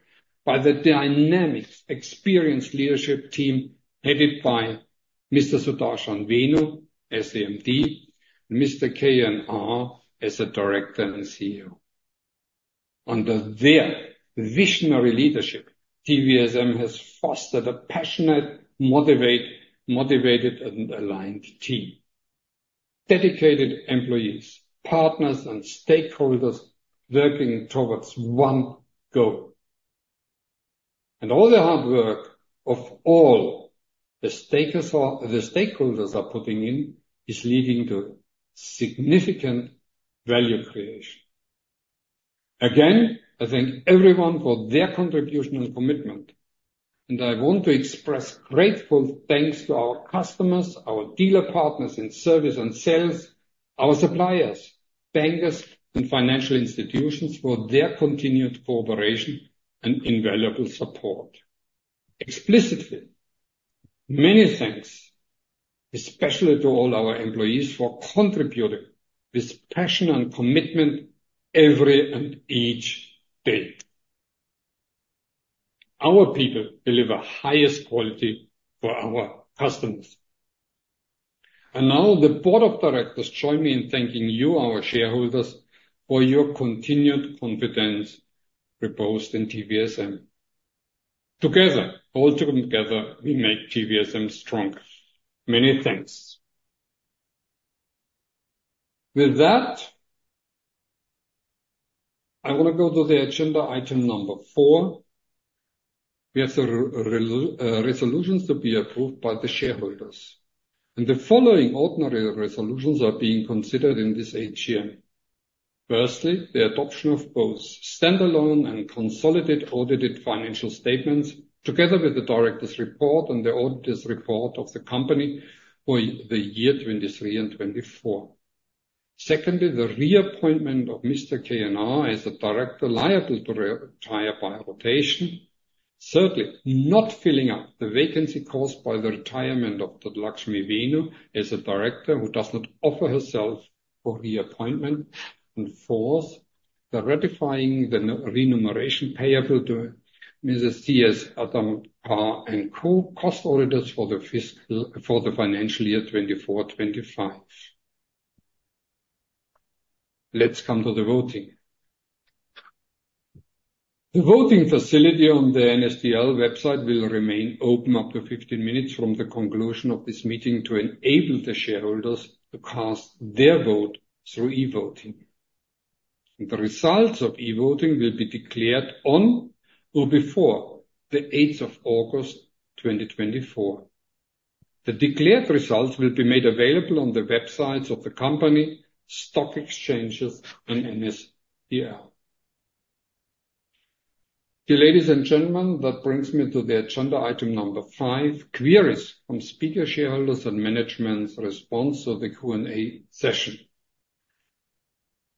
by the dynamic, experienced leadership team headed by Mr. Sudarshan Venu, SAMD, and Mr. K.N.R. as a Director and CEO. Under their visionary leadership, TVSM has fostered a passionate, motivated, and aligned team, dedicated employees, partners, and stakeholders working towards one goal. All the hard work of all the stakeholders are putting in is leading to significant value creation. Again, I thank everyone for their contribution and commitment. I want to express grateful thanks to our customers, our dealer partners in service and sales, our suppliers, bankers, and financial institutions for their continued cooperation and invaluable support. Explicitly, many thanks, especially to all our employees for contributing with passion and commitment every and each day. Our people deliver highest quality for our customers. Now the Board of Directors join me in thanking you, our shareholders, for your continued confidence reposed in TVSM. Together, all together, we make TVSM stronger. Many thanks. With that, I want to go to the agenda item number four. We have the resolutions to be approved by the shareholders. The following ordinary resolutions are being considered in this AGM. Firstly, the adoption of both standalone and consolidated audited financial statements together with the director's report and the auditor's report of the company for the year 2023 and 2024. Secondly, the reappointment of Mr. K.N.R. as a director liable to retire by rotation. Thirdly, not filling up the vacancy caused by the retirement of Lakshmi Venu as a director who does not offer herself for reappointment and fourth, the ratifying the remuneration payable to M/s. C.S. Adam & Co. cost auditors for the fiscal for the financial year 2024-25. Let's come to the voting. The voting facility on the NSDL website will remain open up to 15 minutes from the conclusion of this meeting to enable the shareholders to cast their vote through e-voting. The results of e-voting will be declared on or before the 8th of August 2024. The declared results will be made available on the websites of the company, stock exchanges, and NSDL. Dear ladies and gentlemen, that brings me to the agenda item number 5, queries from speaker shareholders and management's response to the Q&A session.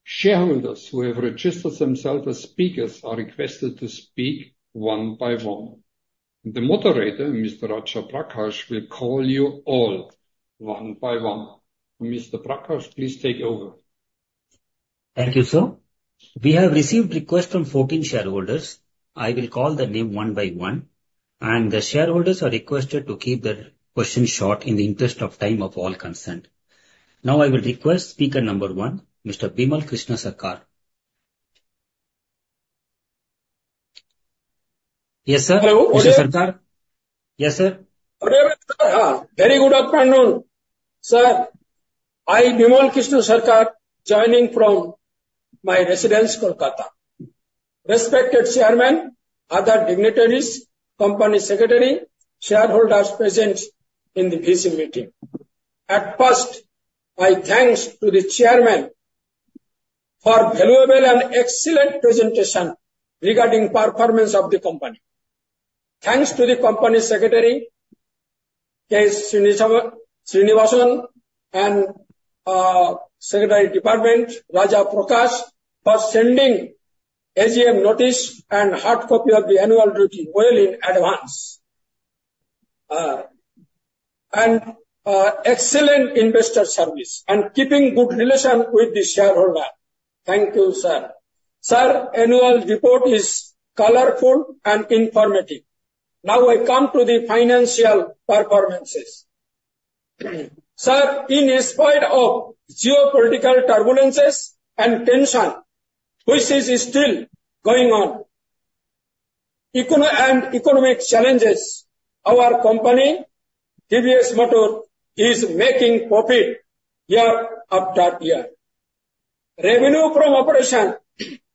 Shareholders who have registered themselves as speakers are requested to speak one by one. The moderator, Mr. Raja Prakash, will call you all one by one. Mr. Prakash, please take over. Thank you, sir. We have received requests from 14 shareholders. I will call their name one by one. The shareholders are requested to keep their questions short in the interest of time of all consent. Now I will request speaker number one, Mr. Bimal Krishna Sarkar. Yes, sir. Hello. Mr. Sarkar. Yes, sir. Very good afternoon, sir. I, Bimal Krishna Sarkar, joining from my residence, Kolkata. Respected Chairman, other dignitaries, company secretary, shareholders present in the virtual meeting. At first, I thank the Chairman for valuable and excellent presentation regarding performance of the company. Thanks to the company secretary, K. Srinivasan, and secretarial department, Raja Prakash, for sending AGM notice and hard copy of the annual report well in advance. And excellent investor service and keeping good relation with the shareholder. Thank you, sir. Sir, annual report is colorful and informative. Now I come to the financial performances. Sir, in spite of geopolitical turbulences and tension, which is still going on, and economic challenges, our company, TVS Motor, is making profit year after year. Revenue from operation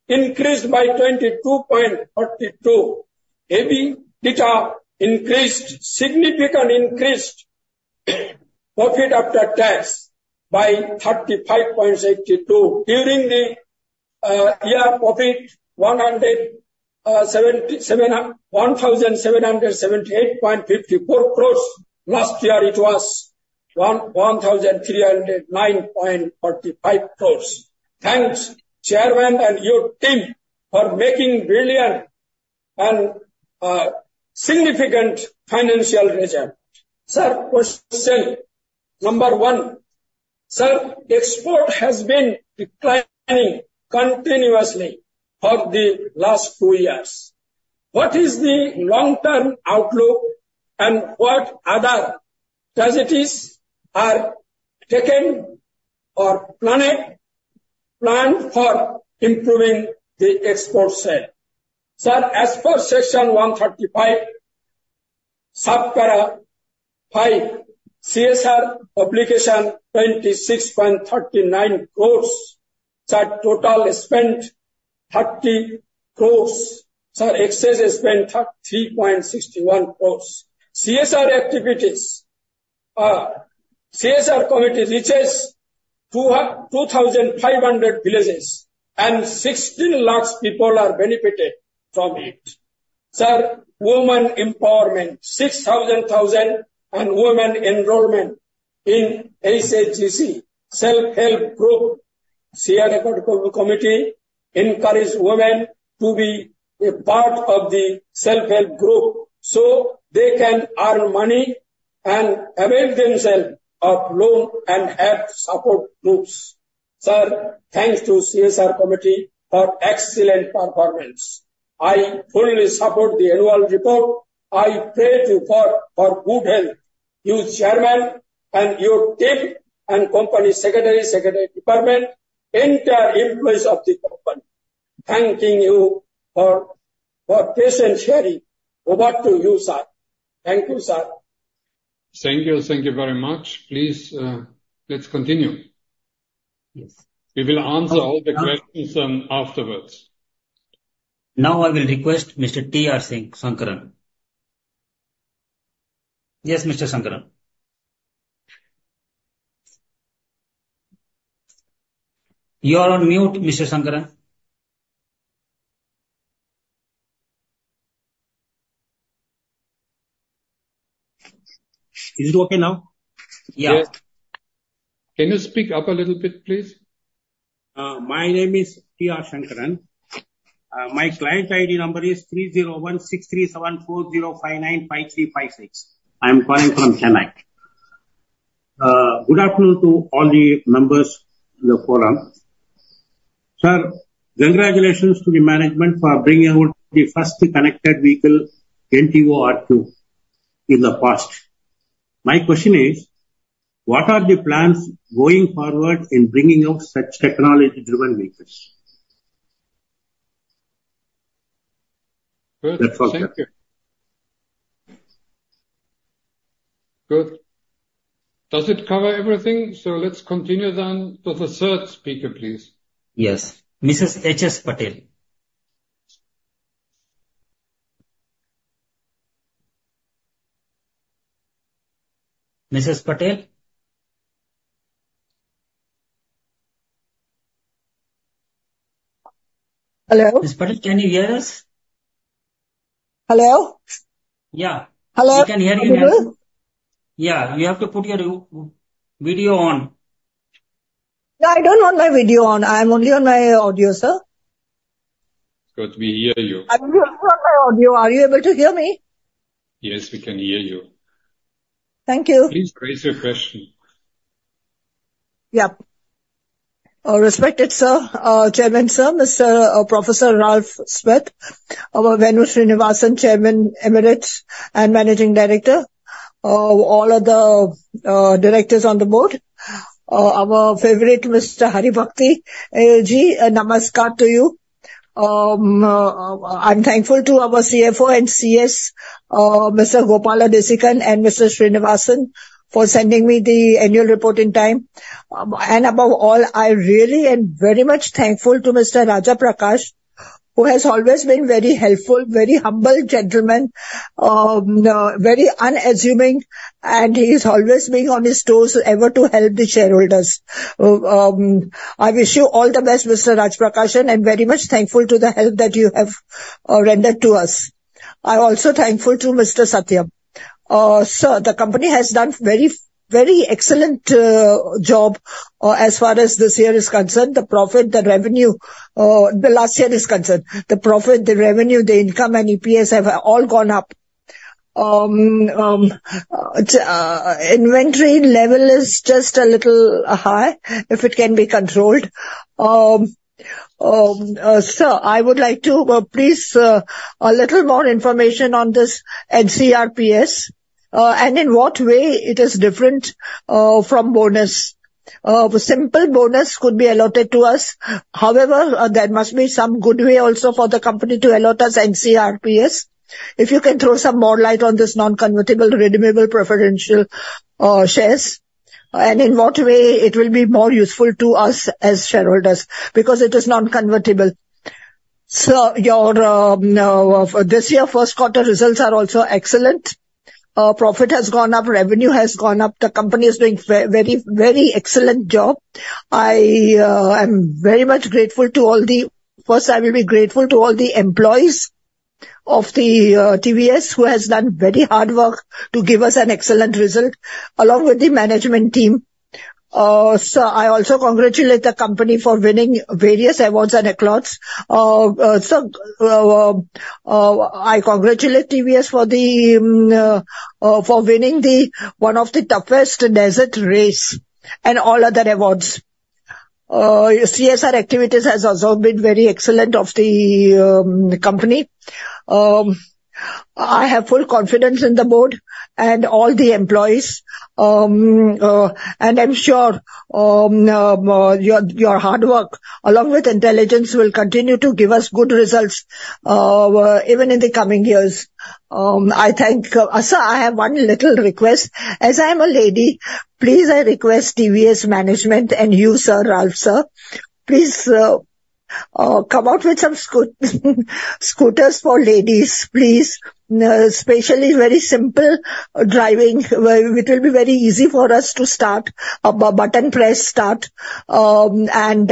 increased by 22.42%. EBITDA increased significantly increased profit after tax by 35.82%. During the year profit 1,778.54 crores. Last year, it was 1,309.45 crores. Thanks, Chairman, and your team for making brilliant and significant financial results. Sir, question number one. Sir, export has been declining continuously for the last two years. What is the long-term outlook and what other strategies are taken or planned for improving the export sale? Sir, as per Section 135(5), CSR obligation 26.39 crores. Sir, total spent 30 crores. Sir, excess spent 3.61 crores. CSR activities, CSR committee reaches 2,500 villages and 16 lakh people are benefited from it. Sir, women empowerment, 600,000 and women enrollment in SST self-help group. CSR committee encourages women to be a part of the self-help group so they can earn money and avail themselves of loan and help support groups. Sir, thanks to CSR committee for excellent performance. I fully support the annual report. I pray to God for good health. You, Chairman, and your team and company secretary, secretary department, entire employees of the company. Thanking you for patience sharing. Over to you, sir. Thank you, sir. Thank you. Thank you very much. Please, let's continue. We will answer all the questions afterwards. Now I will request Mr. T. R. Sankaran. Yes, Mr. Sankaran. You are on mute, Mr. Sankaran. Is it okay now? Yeah. Can you speak up a little bit, please? My name is T. R. Sankaran. My client ID number is 30163740595356. I'm calling from Chennai. Good afternoon to all the members in the forum. Sir, congratulations to the management for bringing out the first connected vehicle, NTORQ, in the past. My question is, what are the plans going forward in bringing out such technology-driven vehicles? Good. Thank you. Good. Does it cover everything? So let's continue then with the third speaker, please. Yes. Mrs. C.E.S. Patel Mrs. Patel. Hello? Mrs. Patel, can you hear us? Hello? Yeah. Hello. I can hear you now. Yeah. You have to put your video on. Yeah. I don't want my video on. I'm only on my audio, sir. Good. We hear you. I'm only on my audio. Are you able to hear me? Yes, we can hear you. Thank you. Please raise your question. Yeah. Respected Chairman, Mr. Professor Ralf Speth, our Venu Srinivasan Chairman Emeritus and Managing Director, all of the directors on the board. Our favorite, Mr. Haribhakti, Namaskar to you. I'm thankful to our CFO and CS, Mr. Gopala Desikan and Mr. Srinivasan for sending me the annual report in time. And above all, I'm really and very much thankful to Mr. Raja Prakash, who has always been very helpful, very humble gentleman, very unassuming, and he's always being on his toes ever to help the shareholders. I wish you all the best, Mr. Raja Prakash, and very much thankful to the help that you have rendered to us. I'm also thankful to Mr. Satyam. Sir, the company has done a very excellent job as far as this year is concerned. The profit, the revenue, the last year is concerned. The profit, the revenue, the income, and EPS have all gone up. Inventory level is just a little high if it can be controlled. Sir, I would like, please, a little more information on this NCRPS and in what way it is different from bonus. A simple bonus could be allotted to us. However, there must be some good way also for the company to allot us NCRPS if you can throw some more light on this non-convertible redeemable preference shares. And in what way it will be more useful to us as shareholders because it is non-convertible. Sir, this year's first quarter results are also excellent. Profit has gone up. Revenue has gone up. The company is doing a very excellent job. I am very much grateful to all the first, I will be grateful to all the employees of the TVS who has done very hard work to give us an excellent result along with the management team. Sir, I also congratulate the company for winning various awards and acknowledge. Sir, I congratulate TVS for winning one of the toughest desert races and all other awards. CSR activities have also been very excellent of the company. I have full confidence in the board and all the employees. And I'm sure your hard work along with intelligence will continue to give us good results even in the coming years. I thank you. Sir, I have one little request. As I am a lady, please I request TVS management and you, Sir Ralf, sir, please come out with some scooters for ladies, please, especially very simple driving. It will be very easy for us to start a button press start and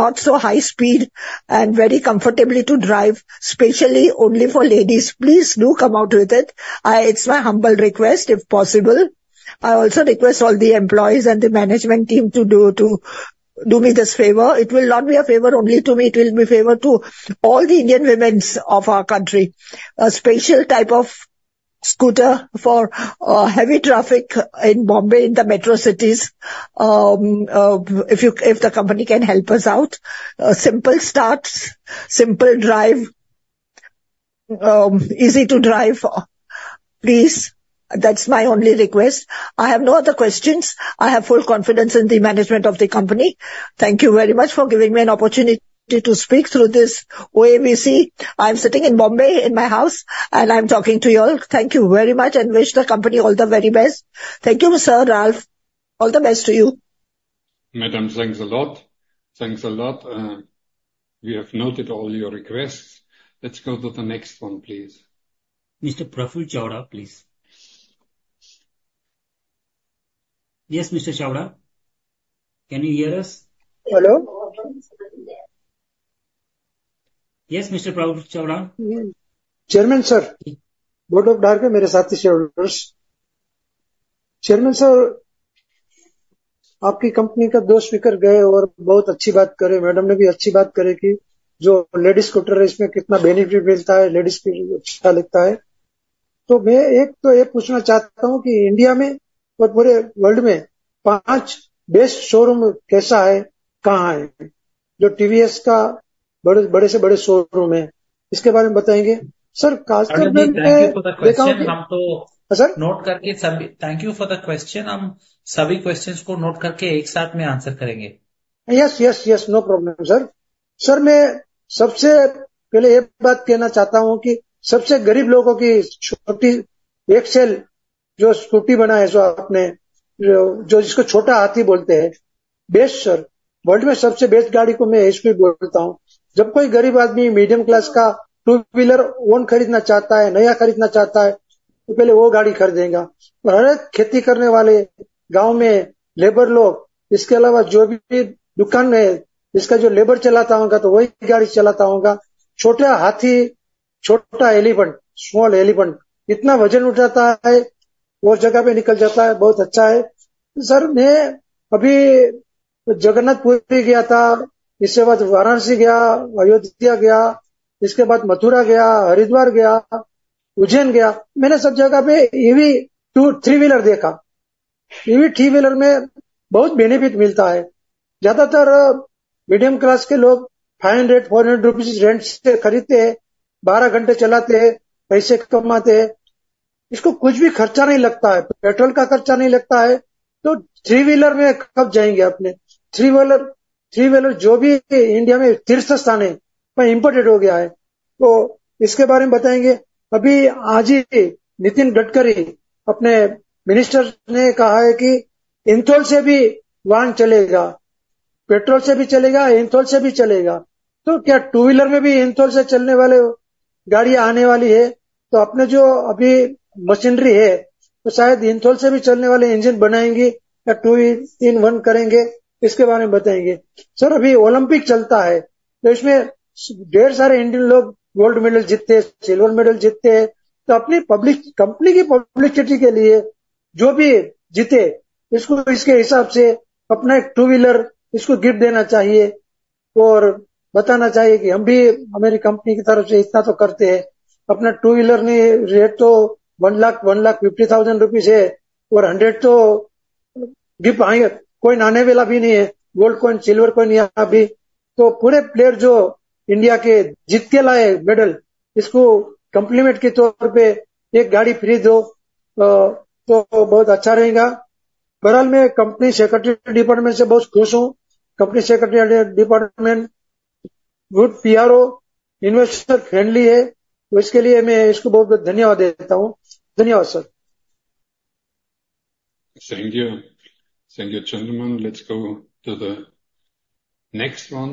not so high speed and very comfortably to drive, especially only for ladies. Please do come out with it. It's my humble request if possible. I also request all the employees and the management team to do me this favor. It will not be a favor only to me. It will be a favor to all the Indian women of our country. A special type of scooter for heavy traffic in Bombay, in the metro cities, if the company can help us out. Simple starts, simple drive, easy to drive, please. That's my only request. I have no other questions. I have full confidence in the management of the company. Thank you very much for giving me an opportunity to speak through this OAVC. I'm sitting in Bombay in my house, and I'm talking to you all. Thank you very much and wish the company all the very best. Thank you, Sir Ralf. All the best to you. Madam, thanks a lot. Thanks a lot. We have noted all your requests. Let's go to the next one, please. Mr. Praful Chavda, please. Yes, Mr. Chowda. Can you hear us? Hello. Yes, Mr. Praful Chavda. Chairman, sir, Board of Director, मेरे साथी shareholders. Chairman, sir, aapki company ka do speaker gaye aur bahut acchi baat karen. Madam ne bhi acchi baat karen ki jo ladies scooter hai, ismein kitna benefit milta hai. Ladies scooter accha lagta hai. To main ek to ye poochhna chahta hoon ki India mein जो अभी machinery है, तो शायद इंथोल से भी चलने वाले engine बनाएंगे या टू इन वन करेंगे, इसके बारे में बताएंगे। सर, अभी ओलंपिक चलता है, तो इसमें ढेर सारे इंडियन लोग गोल्ड मेडल जीतते हैं, सिल्वर मेडल जीतते हैं। तो अपनी पब्लिक, कंपनी की पब्लिसिटी के लिए जो भी जीते, इसको इसके हिसाब से अपना एक टू व्हीलर इसको गिफ्ट देना चाहिए और बताना चाहिए कि हम भी हमारी कंपनी की तरफ से इतना तो करते हैं। अपना टू व्हीलर ने रेट तो INR 150,000 है और 100 तो गिफ्ट आएगा। कोई नानेवेला भी नहीं है, गोल्ड कॉइन, सिल्वर कॉइन यहां भी। तो पूरे प्लेयर जो इंडिया के जीत के लाए मेडल, इसको कंप्लीमेंट के तौर पे एक गाड़ी फ्री दो, तो बहुत अच्छा रहेगा। बहरहाल, मैं कंपनी सेक्रेटरी डिपार्टमेंट से बहुत खुश हूं। Company secretary department good PRO, investor friendly है। उसके लिए मैं इसको बहुत-बहुत धन्यवाद देता हूं। धन्यवाद, sir. Thank you. Thank you, Chandraman. Let's go to the next one.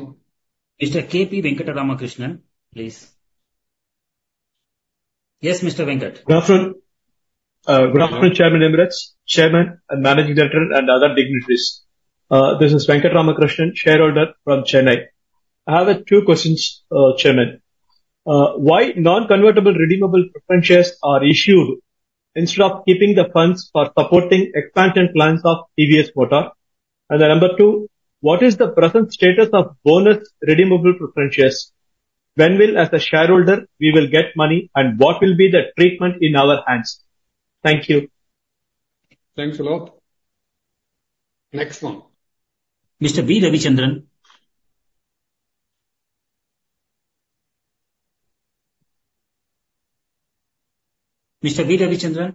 Mr. K.P. Venkata Ramakrishnan, please. Yes, Mr. Venkata. Good afternoon. Good afternoon, Chairman Emeritus, Chairman and Managing Director and other dignitaries. This is Venkata Ramakrishnan, shareholder from Chennai. I have a few questions, Chairman. Why non-convertible redeemable preference shares are issued instead of keeping the funds for supporting expansion plans of TVS Motor? number two, what is the present status of non-convertible redeemable preference shares? When will, as a shareholder, we will get money and what will be the treatment in our hands? Thank you. Thanks a lot. Next one. Mr. B. Ravi Chandran. Mr. B. Ravi Chandran.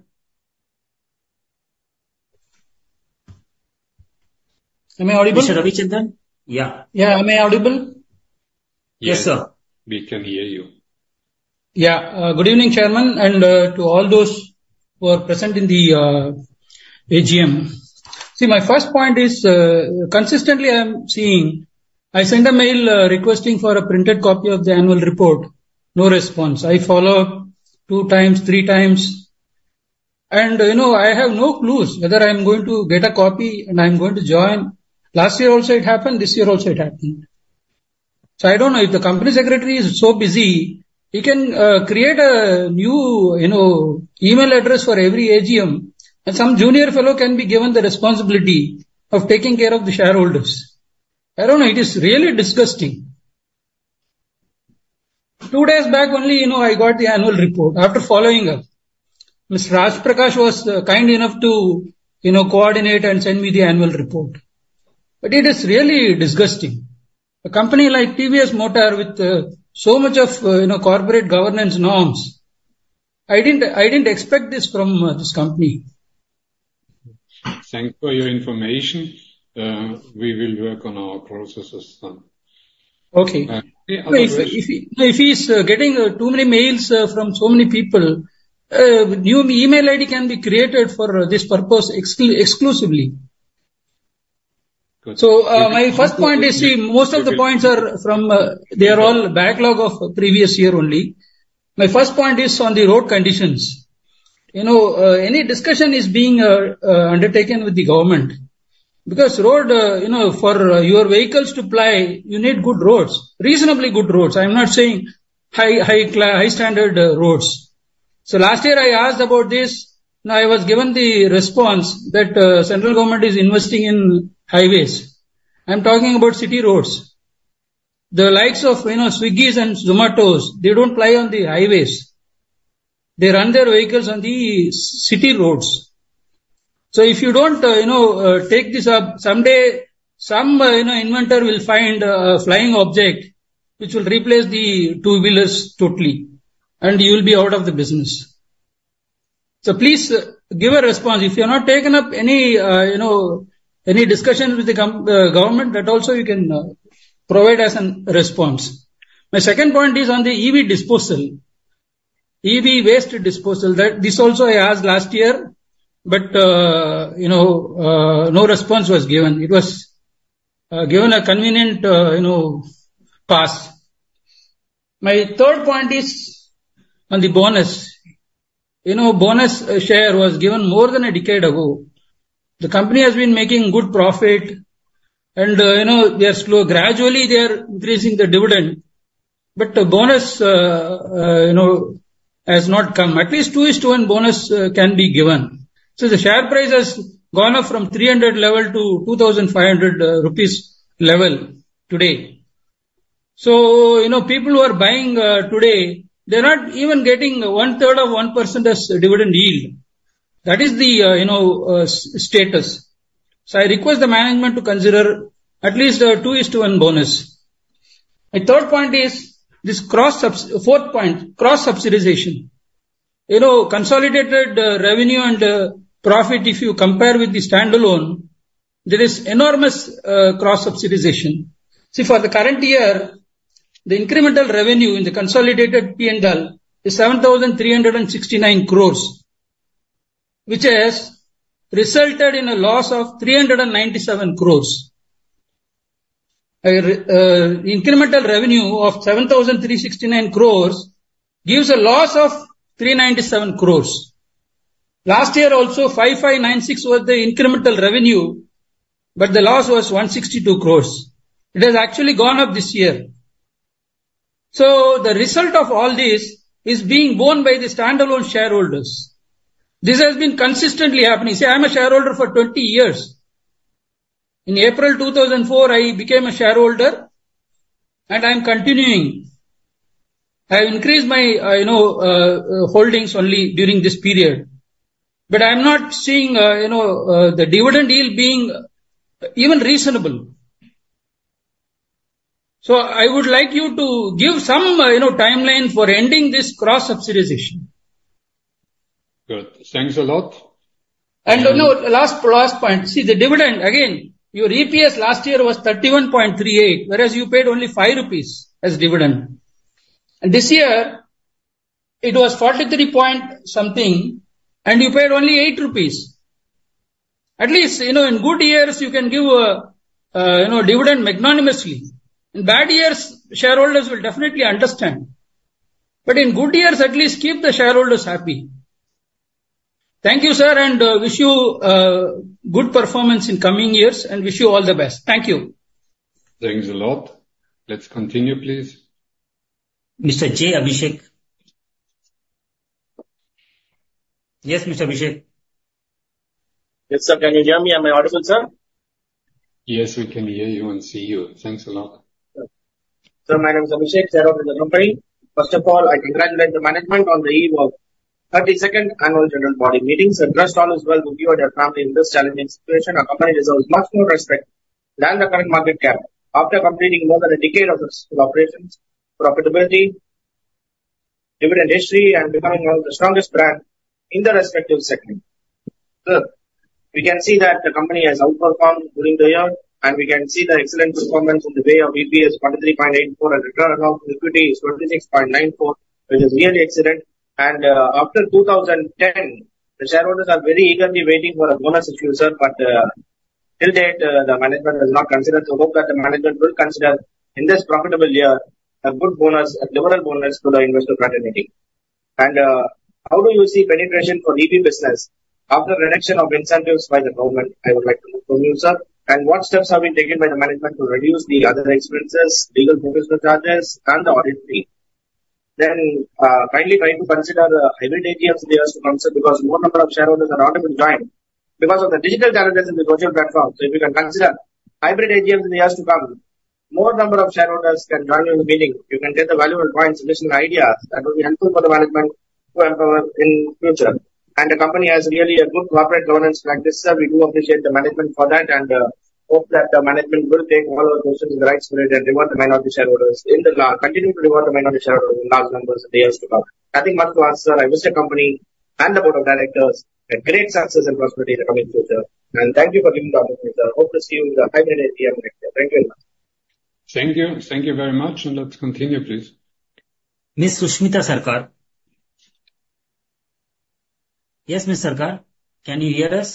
Am I audible? Mr. Ravi Chandran? Yes. Yes, am I audible? We can hear you. Yes. Good evening, Chairman. And to all those who are present in the AGM. See, my first point is consistently, I am seeing. I sent a mail requesting for a printed copy of the annual report. No response. I follow up two times, three times. And you know, I have no clue whether I am going to get a copy and I am going to join. Last year also it happened. This year also it happened. So, I don't know if the Company Secretary is so busy. He can create a new, you know, email address for every AGM. And some junior fellow can be given the responsibility of taking care of the shareholders. I don't know, it is really disgusting. Two days back, only you know, I got the annual report after following up. Mr. Raja Prakash was kind enough to, you know, coordinate and send me the annual report. But, it is really disgusting. A company like TVS Motor with so much of, you know, corporate governance norms. I didn't, I didn't expect this from this company. Thank you for your information. We will work on our process. Okay. If he is getting too many mails from so many people, new email ID can be created for this purpose exclusively. So, my first point is see, most of the points are from their all backlog of previous year only. My first point is on the road conditions. You know, any discussion is being undertaken with the government because road, you know, for your vehicles to ply, you need good roads, reasonably good roads. I am not saying high, high, high standard roads. So, last year I asked about this. Now, I was given the response that central government is investing in highways. I am talking about city roads. The likes of, you know, Swiggy and Zomato, they don't ply on the highways. They run their vehicles on the city roads. So, if you don't, you know, take this up, some day, some, you know, inventor will find a flying object, which will replace the two wheelers totally, and you will be out of the business. So, please give a response. If you have not taken up any, you know, any discussion with the government, that also you can provide us as a response. My second point is on the EV disposal, EV waste disposal. That this also I asked last year, but, you know, no response was given. It was given a convenient, you know, pass. My third point is on the bonus. You know, bonus share was given more than a decade ago. The company has been making good profit, and you know, they are slow, gradually, they are increasing the dividend. But, bonus, you know, has not come. At least 2:1 bonus can be given. So, the share price has gone up from 300 level to ₹2,500 level today. So, you know, people who are buying today, they are not even getting 1/3 of 1% as dividend yield. That is the, you know, status. So, I request the management to consider at least 2:1 bonus. My third point is this cross fourth point, cross subsidization. You know, consolidated revenue and profit, if you compare with the stand alone, there is enormous cross subsidization. See, for the current year, the incremental revenue in the consolidated P&L is 7,369 crore, which has resulted in a loss of 397 crore. Incremental revenue of 7,369 crore gives a loss of 397 crore. Last year also 5,596 was the incremental revenue, but the loss was 162 crore. It has actually gone up this year. So, the result of all this is being borne by the stand alone shareholders. This has been consistently happening. See, I am a shareholder for 20 years. In April 2004, I became a shareholder, and I am continuing. I have increased my, you know, holdings only during this period. But, I am not seeing, you know, the dividend yield being even reasonable. So, I would like you to give some, you know, timeline for ending this cross subsidization. Good, thanks a lot. And you know, last last point, see, the dividend. Again, your EPS last year was 31.38, whereas you paid only ₹5 as dividend. And this year, it was 43 point something, and you paid only ₹8. At least, you know, in good years, you can give a, you know, dividend magnanimously. In bad years, shareholders will definitely understand. But, in good years, at least, keep the shareholders happy. Thank you, sir, and wish you a good performance in coming years, and wish you all the best. Thank you. Thanks a lot. Let's continue, please. Mr. J. Abhishek. Yes, Mr. Abhishek. Yes, sir, can you hear me? I am audible, sir. Yes, we can hear you and see you. Thanks a lot. Sir, my name is Abhishek. Shareholder company. First of all, I congratulate the management on the eve of 32nd Annual General Meeting. I wish all is well with you and your family in this challenging situation. A company deserves much more respect than the current market cap. After completing more than a decade of successful operations, profitability, dividend history, and becoming one of the strongest brands in the respective segment. Sir, we can see that the company has outperformed during the year, and we can see the excellent performance in the way of EPS 43.84. And Return on Equity is 26.94, which is really excellent. And after 2010, the shareholders are very eagerly waiting for a bonus issue, sir. But, till date, the management has not considered. So hope that the management will consider in this profitable year a good bonus, a liberal bonus to the investor fraternity. And how do you see penetration for EV business after reduction of incentives by the government? I would like to know from you, sir. And what steps have been taken by the management to reduce the other expenses, legal professional charges, and the audit fee? Then kindly try to consider the hybrid AGM in the years to come, sir, because more number of shareholders are not able to join because of the digital challenges in the virtual platform. So, if you can consider hybrid AGM in the years to come, more number of shareholders can join in the meeting. You can get the valuable points, additional ideas that will be helpful for the management to empower in future. And the company has really a good corporate governance practices, sir. We do appreciate the management for that, and hope that the management will take all our questions in the right spirit and reward the minority shareholders in the law. Continue to reward the minority shareholders in large numbers in the years to come. I think much too ask, sir. I wish the company and the board of directors and great success and prosperity in the coming future. And thank you for giving the opportunity, sir. Hope to see you with the hybrid AGM next year. Thank you very much. Thank you. Thank you very much. And let's continue, please. Miss Sushmita Sarkar. Yes, Miss Sarkar. Can you hear us?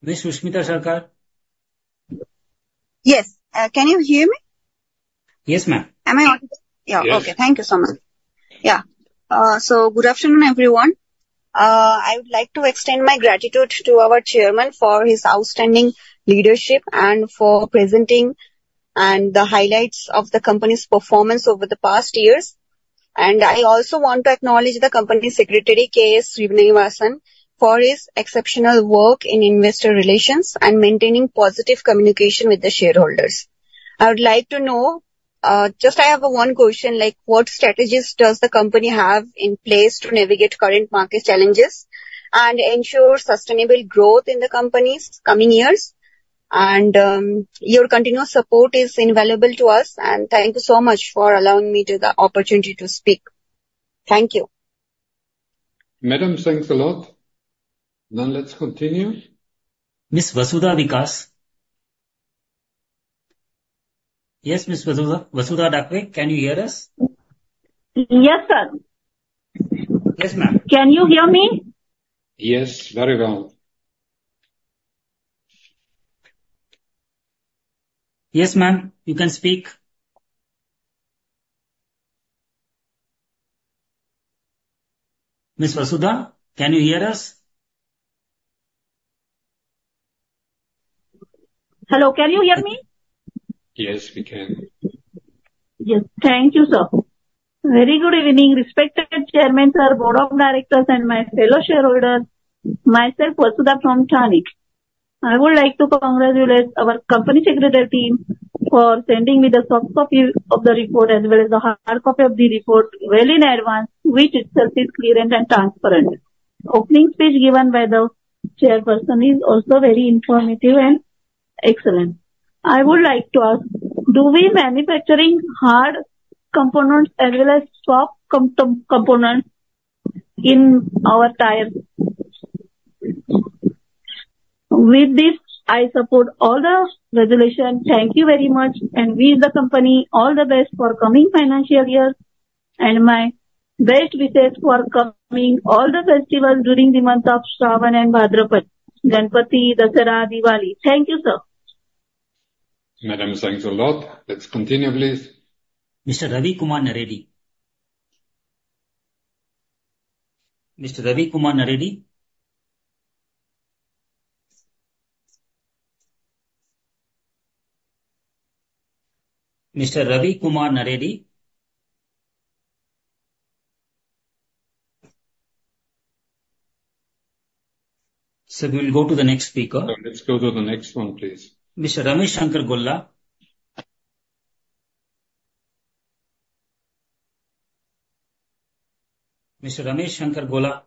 Miss Sushmita Sarkar. Yes, can you hear me? Yes, ma'am. Am I audible? Yes. Okay. Thank you so much. Yes. So, good afternoon everyone. I would like to extend my gratitude to our chairman for his outstanding leadership and for presenting and the highlights of the company's performance over the past years. And I also want to acknowledge the company secretary K. Srinivasan for his exceptional work in investor relations and maintaining positive communication with the shareholders. I would like to know, just I have a one question, like what strategy does the company have in place to navigate current market challenges and assure sustainable growth in the company's coming years? And your continuous support is invaluable to us. And thank you so much for allowing me the opportunity to speak. Thank you. Madam, thanks a lot. Then let's continue. Miss Vasudha Vikas. Yes, Miss Vasudha. Vasudha Dakwe, can you hear us? Yes, sir. Yes, ma'am. Can you hear me? Yes, very well. Yes, ma'am. You can speak. Miss Vasudha, can you hear us? Hello, can you hear me? Yes, we can. Yes, thank you, sir. Very good evening, respected Chairman sir, Board of Directors and my fellow shareholders. Myself, Vasudha Dakwe from Thane. I would like to congratulate our Company Secretary team for sending me the soft copy of the report, as well as the hard copy of the report, well in advance, which itself is clear and transparent. Opening speech given by the Chairperson is also very informative and excellent. I would like to ask, do we manufacture hard components as well as soft components in our tire? With this, I support all the resolutions. Thank you very much. And we, the company, all the best for coming financial year and my best wishes for coming all the festivals during the month of Shravan and Bhadrapada, Ganpati, Dussehra, Diwali. Thank you, sir. Madam, thanks a lot. Let's continue, please. Mr. Ravi Kumar Naredi. Mr. Ravi Kumar Naredi. Mr. Ravi Kumar Naredi. So, we will go to the next speaker. Let's go to the next one, please. Mr. Ramesh Shankar Gola. Mr. Ramesh Shankar Gola.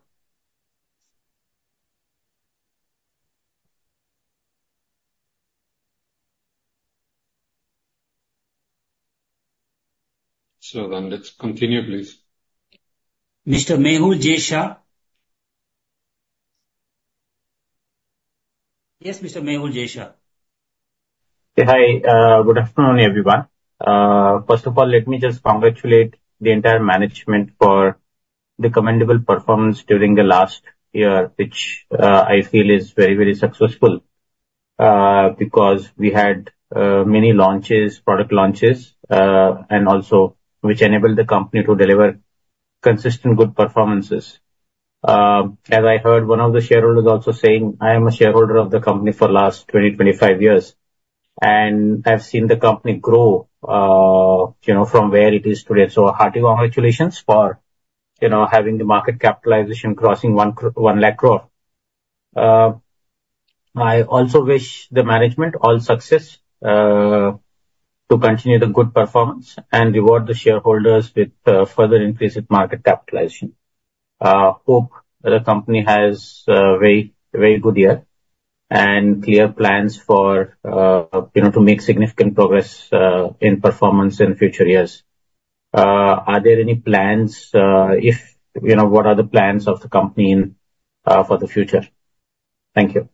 So, then let's continue, please. Mr. Mehul Jay Shah. Yes, Mr. Mehul Jay Shah. Hi, good afternoon everyone. First of all, let me just congratulate the entire management for the commendable performance during the last year, which I feel is very very successful, because we had many launches, product launches, and also which enable the company to deliver consistent good performances. As I heard, one of the shareholders also saying, "I am a shareholder of the company for last 20-25 years, and I have seen the company grow, you know, from where it is today." So, heartily congratulations for, you know, having the market capitalization crossing 100,000 crore. I also wish the management all success to continue the good performance and reward the shareholders with further increases in market capitalization. Hope the company has a very very good year and clear plans for, you know, to make significant progress in performance in future years. Are there any plans? If, you know, what are the plans of the company in for the future? Thank you.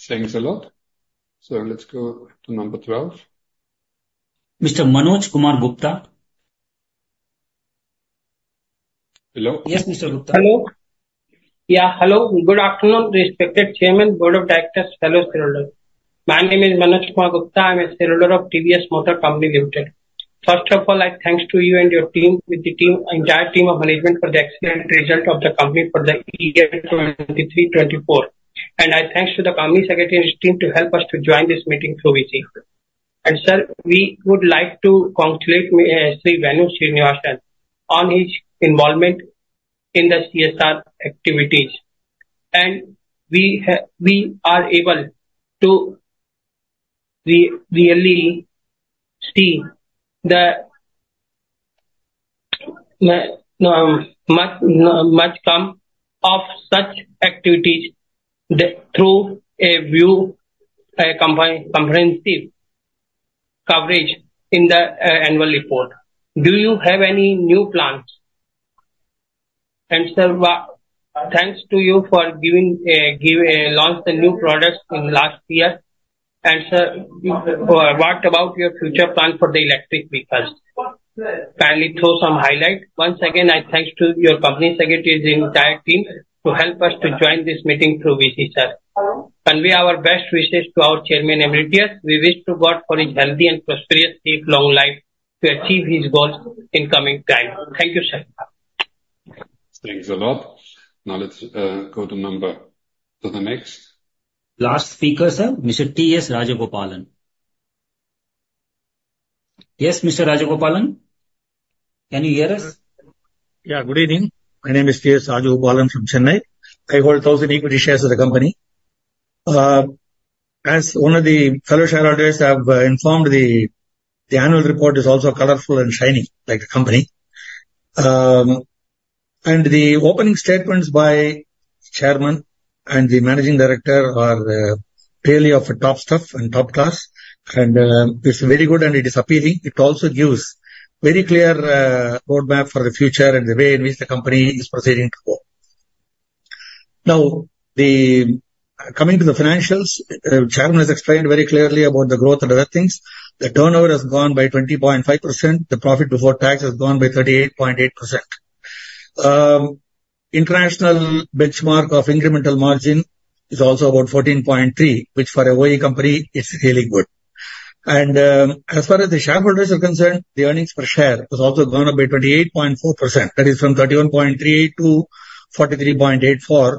Thanks a lot. So, let's go to number 12. Mister Manoj Kumar Gupta. Hello. Yes, Mister Gupta. Hello. Ya, hello. Good afternoon, respected Chairman, Board of Directors, fellow shareholder. My name is Manoj Kumar Gupta. I am a shareholder of TVS Motor Company Limited. First of all, I thank you and your team, with the team, entire team of management for the excellent result of the company for the year 2023-24. And I thank the company secretary team to help us to join this meeting so easy. And sir, we would like to congratulate Shri Venu Srinivasan on his involvement in the CSR activities. And we have, we are able to really see the much much come of such activities through a view, a comprehensive coverage in the annual report. Do you have any new plans? And sir, thanks to you for giving, give, launch the new products in last year. And sir, what about your future plan for the electric vehicles? Kindly throw some highlight. Once again, I thank your company secretaries, entire team to help us to join this meeting through VC. Sir, convey our best wishes to our Chairman Emeritus. We wish to God for his healthy and prosperous, deep long life to achieve his goals in coming time. Thank you, sir. Thanks a lot. Now, let's go to number two the next. Last speaker, sir, Mister T.S. Rajagopalan. Yes, Mister Rajagopalan. Can you hear us? Yeah, good evening. My name is T.S. Rajagopalan from Chennai. I hold 1000 equity shares of the company. As one of the fellow share holders, I have informed the annual report is also colorful and shining, like the company. And the opening statements by chairman and the managing director are really of a top stuff and top class. And it's very good and it is appealing. It also gives very clear road map for the future and the way in which the company is proceeding to go. Now, coming to the financials, chairman has explained very clearly about the growth and other things. The turnover has gone by 20.5%. The profit before tax has gone by 38.8%. International benchmark of incremental margin is also about 14.3, which for a OEM company, it's really good. And as far as the share holders are concern, the earnings per share has also gone up by 28.4%. That is from 31.3 to 43.84.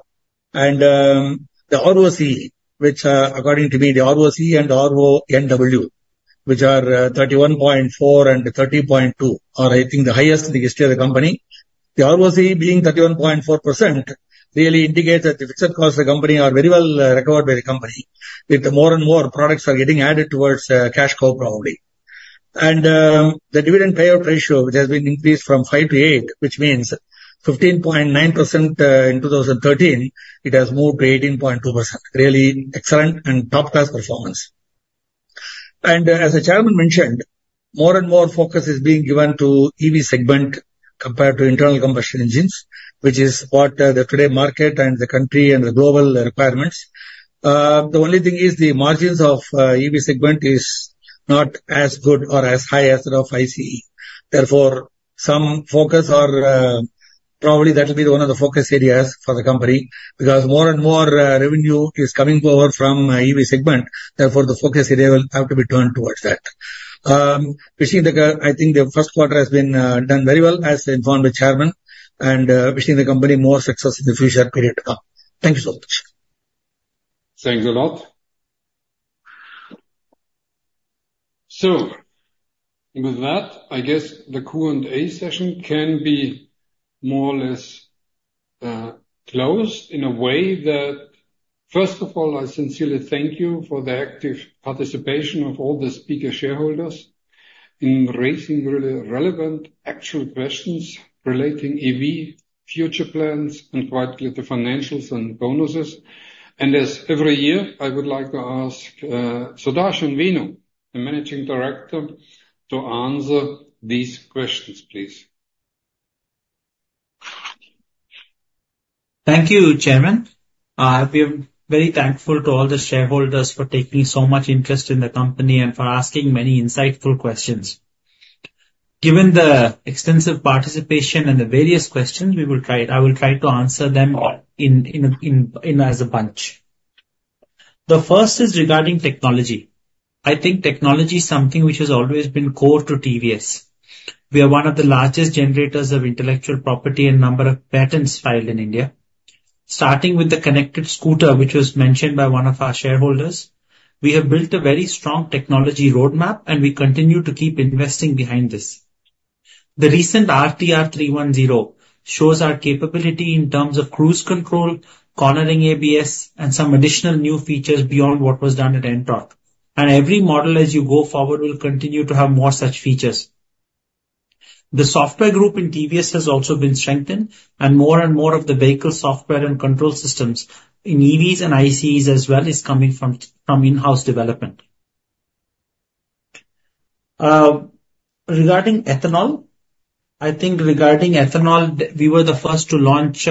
And the ROCE, which according to me, the ROCE and RONW, which are 31.4% and 30.2%, are I think the highest in the history of the company. The ROCE being 31.4% really indicates that the fixed cost of the company are very well recovered by the company, with the more and more products are getting added towards cash probably. And the dividend payout ratio, which has been increased from five to eight, which means 15.9% in 2013, it has moved to 18.2%. Really excellent and top class performance. And as the chairman mention, more and more focus is being given to EV segment compare to internal combustion engines, which is what the today market and the country and the global requirements. The only thing is the margins of EV segment is not as good or as high as the of ICE. Therefore, some focus are probably that will be one of the focus areas for the company, because more and more revenue is coming over from EV segment. Therefore, the focus area will have to be turn towards that. Wishing the I think the first quarter has been done very well, as informed the chairman. And wishing the company more success in the future period to come. Thank you so much. Thanks a lot. So, with that, I guess the Q and A session can be more or less closed in a way that. First of all, I sincerely thank you for the active participation of all the speaker share holders in raising really relevant actual questions relating EV future plans and quite clear the financials and bonuses. And as every year, I would like to ask Sudarshan Venu, the managing director, to answer these questions, please. Thank you, chairman. I am very thankful to all the share holders for taking so much interest in the company and for asking many insightful questions. Given the extensive participation and the various questions, we will try. I will try to answer them in in in as a bunch. The first is regarding technology. I think technology is something which has always been core to TVS. We are one of the largest generators of intellectual property and number of patents filed in India. Starting with the connected scooter, which was mention by one of our share holders, we have built a very strong technology road map and we continue to keep investing behind this. The recent RTR 310 shows our capability in terms of cruise control, cornering ABS and some additional new features beyond what was done at Ntorq. And every model as you go forward will continue to have more such features. The software group in TVS has also been strengthen and more and more of the vehicle software and control systems in EVs and ICEs as well is coming from inhouse development. Regarding ethanol, I think regarding ethanol, we were the first to launch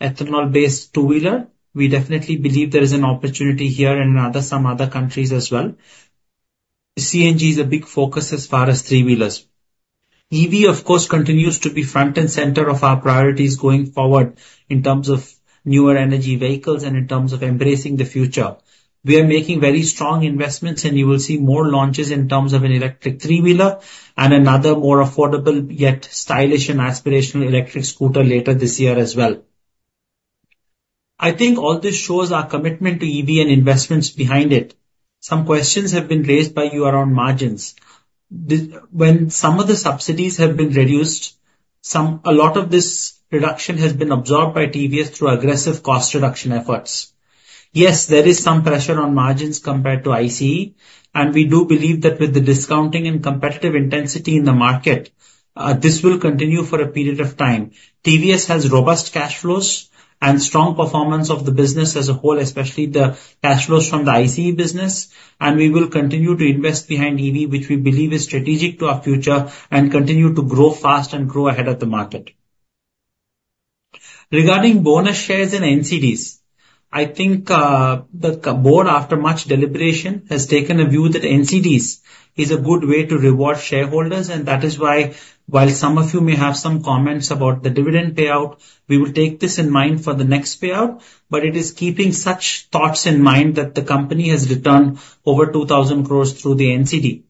ethanol based two wheeler. We definitely believe there is an opportunity here and in other some other countries as well. CNG is a big focus as far as three wheelers. EV, of course, continues to be front and center of our priorities going forward in terms of new energy vehicles and in terms of embracing the future. We are making very strong investments and you will see more launches in terms of an electric three wheeler and another more affordable yet stylish and aspirational electric scooter later this year as well. I think all this shows our commitment to EV and investments behind it. Some questions have been raised by you around margins. This when some of the subsidies have been reduced, some a lot of this reduction has been absorb by TVS through aggressive cost reduction efforts. Yes, there is some pressure on margins compare to ICE, and we do believe that with the discounting and competitive intensity in the market, this will continue for a period of time. TVS has robust cash flows and strong performance of the business as a whole, especially the cash flows from the ICE business, and we will continue to invest behind EV, which we believe is strategic to our future and continue to grow fast and grow ahead of the market. Regarding bonus shares and NCRPS, I think the board after much deliberation has taken a view that NCRPS is a good way to reward share holders, and that is why while some of you may have some comments about the dividend payout, we will take this in mind for the next payout. But it is keeping such thoughts in mind that the company has return over 2000 crore through the NCRPS.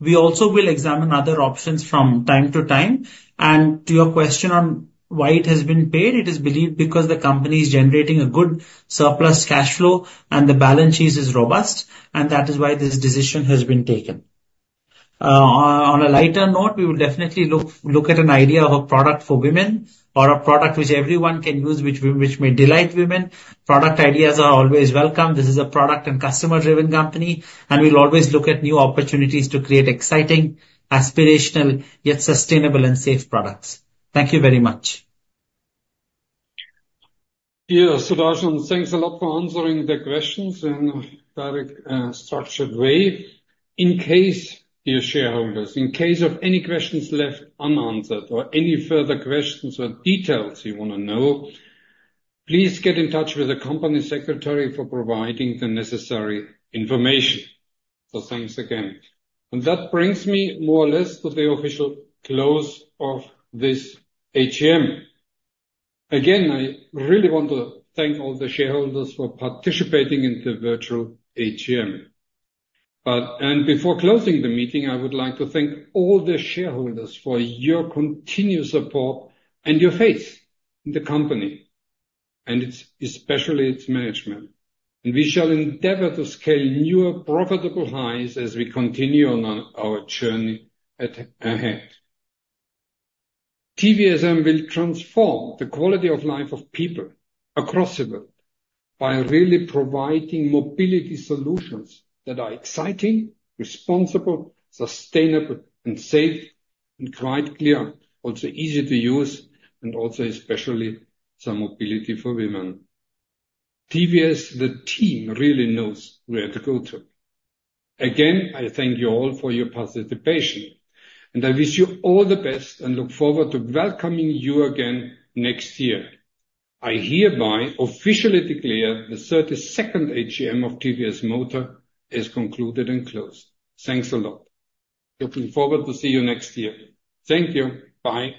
We also will examine other options from time to time, and to your question on why it has been paid, it is believe because the company is generating a good surplus cash flow and the balance sheet is robust, and that is why this decision has been taken. On a lighter note, we will definitely look look at an idea of a product for women or a product which everyone can use, which which may delight women. Product ideas are always welcome. This is a product and customer driven company, and we will always look at new opportunities to create exciting aspirational yet sustainable and safe products. Thank you very much. Yes, Sudarshan, thanks a lot for answering the questions in a direct structured way. In case your share holders, in case of any questions left unanswered or any further questions or details you want to know, please get in touch with the company secretary for providing the necessary information. So, thanks again. And that brings me more or less to the official close of this AGM. Again, I really want to thank all the share holders for participating in the virtual AGM. And before closing the meeting, I would like to thank all the share holders for your continue support and your faith in the company, and its specially its management. And we shall endeavor to scale newer profitable high as we continue on our journey ahead. TVSM will transform the quality of life of people across the world by really providing mobility solutions that are exciting, responsible, sustainable and safe, and quite clear, also easy to use, and also specially some mobility for women. TVS the team really knows where to go to. Again, I thank you all for your participation, and I wish you all the best, and look forward to welcoming you again next year. I hereby officially declare the 32nd AGM of TVS Motor is concluded and closed. Thanks a lot. Looking forward to see you next year. Thank you, bye.